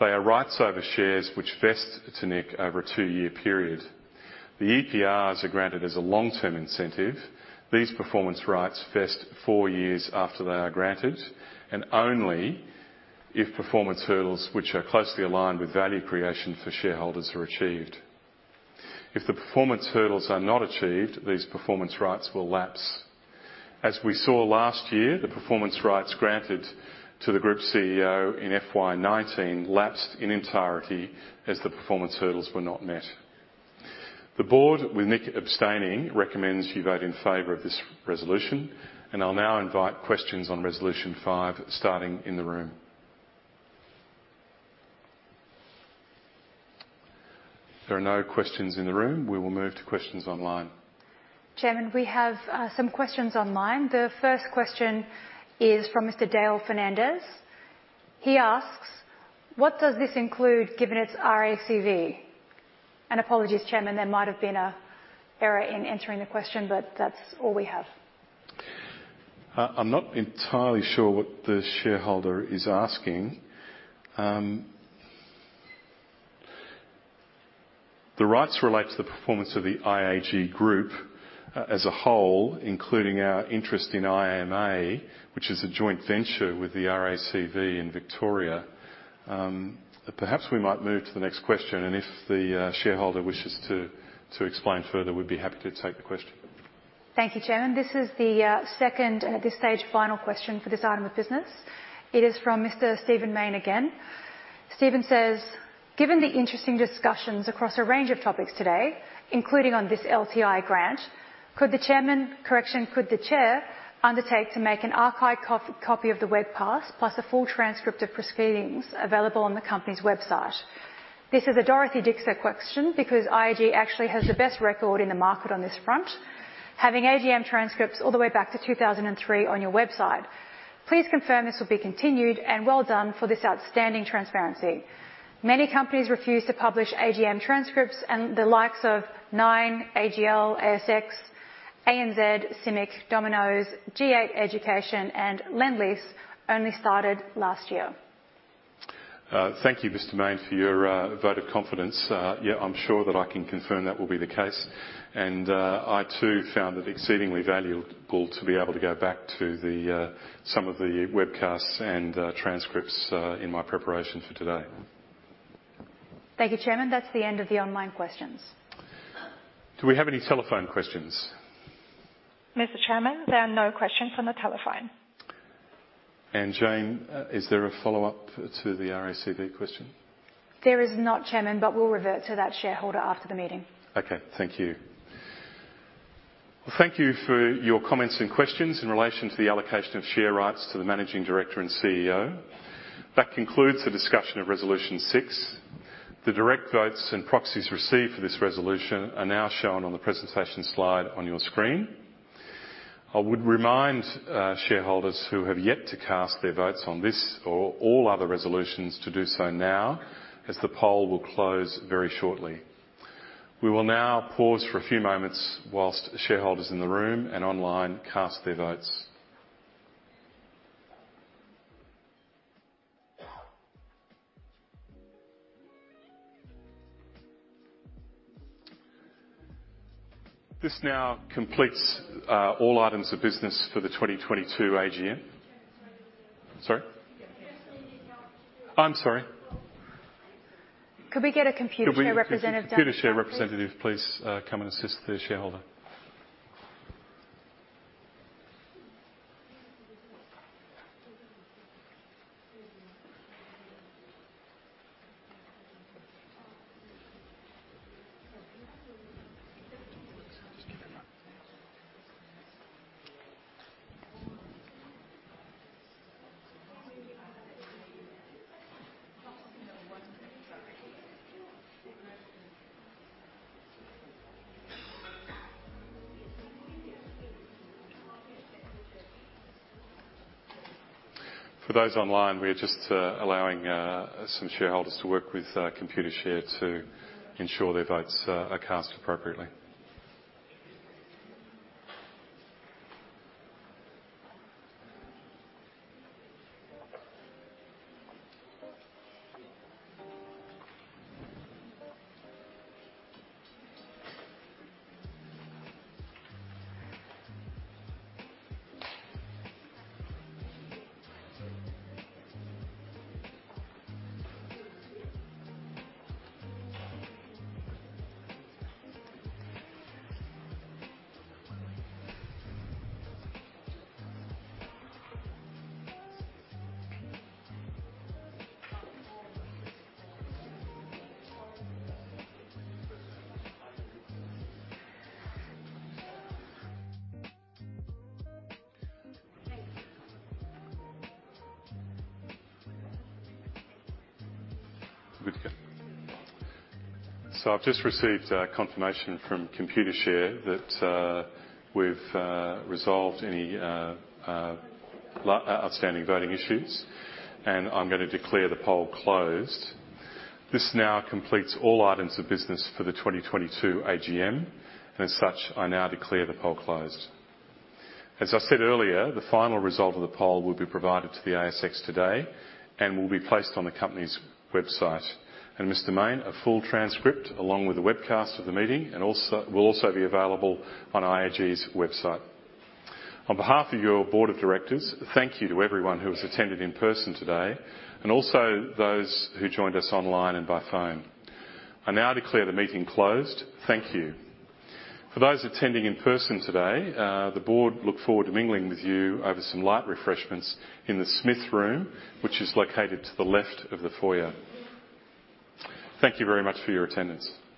They are rights over shares which vest to Nick over a two-year period. The EPRs are granted as a long-term incentive. These performance rights vest four years after they are granted and only if performance hurdles which are closely aligned with value creation for shareholders are achieved. If the performance hurdles are not achieved, these performance rights will lapse. As we saw last year, the performance rights granted to the group CEO in FY 2019 lapsed in entirety as the performance hurdles were not met. The board, with Nick abstaining, recommends you vote in favor of this resolution, and I'll now invite questions on resolution 5, starting in the room. If there are no questions in the room, we will move to questions online. Chairman, we have some questions online. The first question is from Mr. Dale Fernandez. He asks, "What does this include, given its RACV?" Apologies, Chairman, there might have been an error in entering the question, but that's all we have. I'm not entirely sure what the shareholder is asking. The rights relate to the performance of the IAG Group, as a whole, including our interest in IMA, which is a joint venture with the RACV in Victoria. Perhaps we might move to the next question. If the shareholder wishes to explain further, we'd be happy to take the question. Thank you, Chairman. This is the second, at this stage, final question for this item of business. It is from Mr. Stephen Mayne again. Stephen says, "Given the interesting discussions across a range of topics today, including on this LTI grant, could the chair undertake to make an archive copy of the webcast, plus a full transcript of proceedings available on the company's website? This is a Dorothy Dixer question because IAG actually has the best record in the market on this front, having AGM transcripts all the way back to 2003 on your website. Please confirm this will be continued and well done for this outstanding transparency. Many companies refuse to publish AGM transcripts and the likes of Nine, AGL, ASX, ANZ, CIMIC, Domino's, IDP Education, and Lendlease only started last year. Thank you, Mr. Mayne, for your vote of confidence. Yeah, I'm sure that I can confirm that will be the case. I too found it exceedingly valuable to be able to go back to some of the webcasts and transcripts in my preparation for today. Thank you, Chairman. That's the end of the online questions. Do we have any telephone questions? Mr. Chairman, there are no questions on the telephone. Jane, is there a follow-up to the RACV question? There is not, Chairman, but we'll revert to that shareholder after the meeting. Okay. Thank you. Well, thank you for your comments and questions in relation to the allocation of share rights to the managing director and CEO. That concludes the discussion of resolution 6. The direct votes and proxies received for this resolution are now shown on the presentation slide on your screen. I would remind shareholders who have yet to cast their votes on this or all other resolutions to do so now, as the poll will close very shortly. We will now pause for a few moments while shareholders in the room and online cast their votes. This now completes all items of business for the 2022 AGM. Sorry? I'm sorry. Could we get a Computershare representative down here, please? Computershare representative, please, come and assist the shareholder. For those online, we are just allowing some shareholders to work with Computershare to ensure their votes are cast appropriately. Good to go. I've just received confirmation from Computershare that we've resolved any outstanding voting issues, and I'm gonna declare the poll closed. This now completes all items of business for the 2022 AGM, and as such, I now declare the poll closed. As I said earlier, the final result of the poll will be provided to the ASX today, and will be placed on the company's website. Mr. Mayne, a full transcript along with the webcast of the meeting will also be available on IAG's website. On behalf of your board of directors, thank you to everyone who has attended in person today, and also those who joined us online and by phone. I now declare the meeting closed. Thank you. For those attending in person today, the board look forward to mingling with you over some light refreshments in the Smith Room, which is located to the left of the foyer. Thank you very much for your attendance.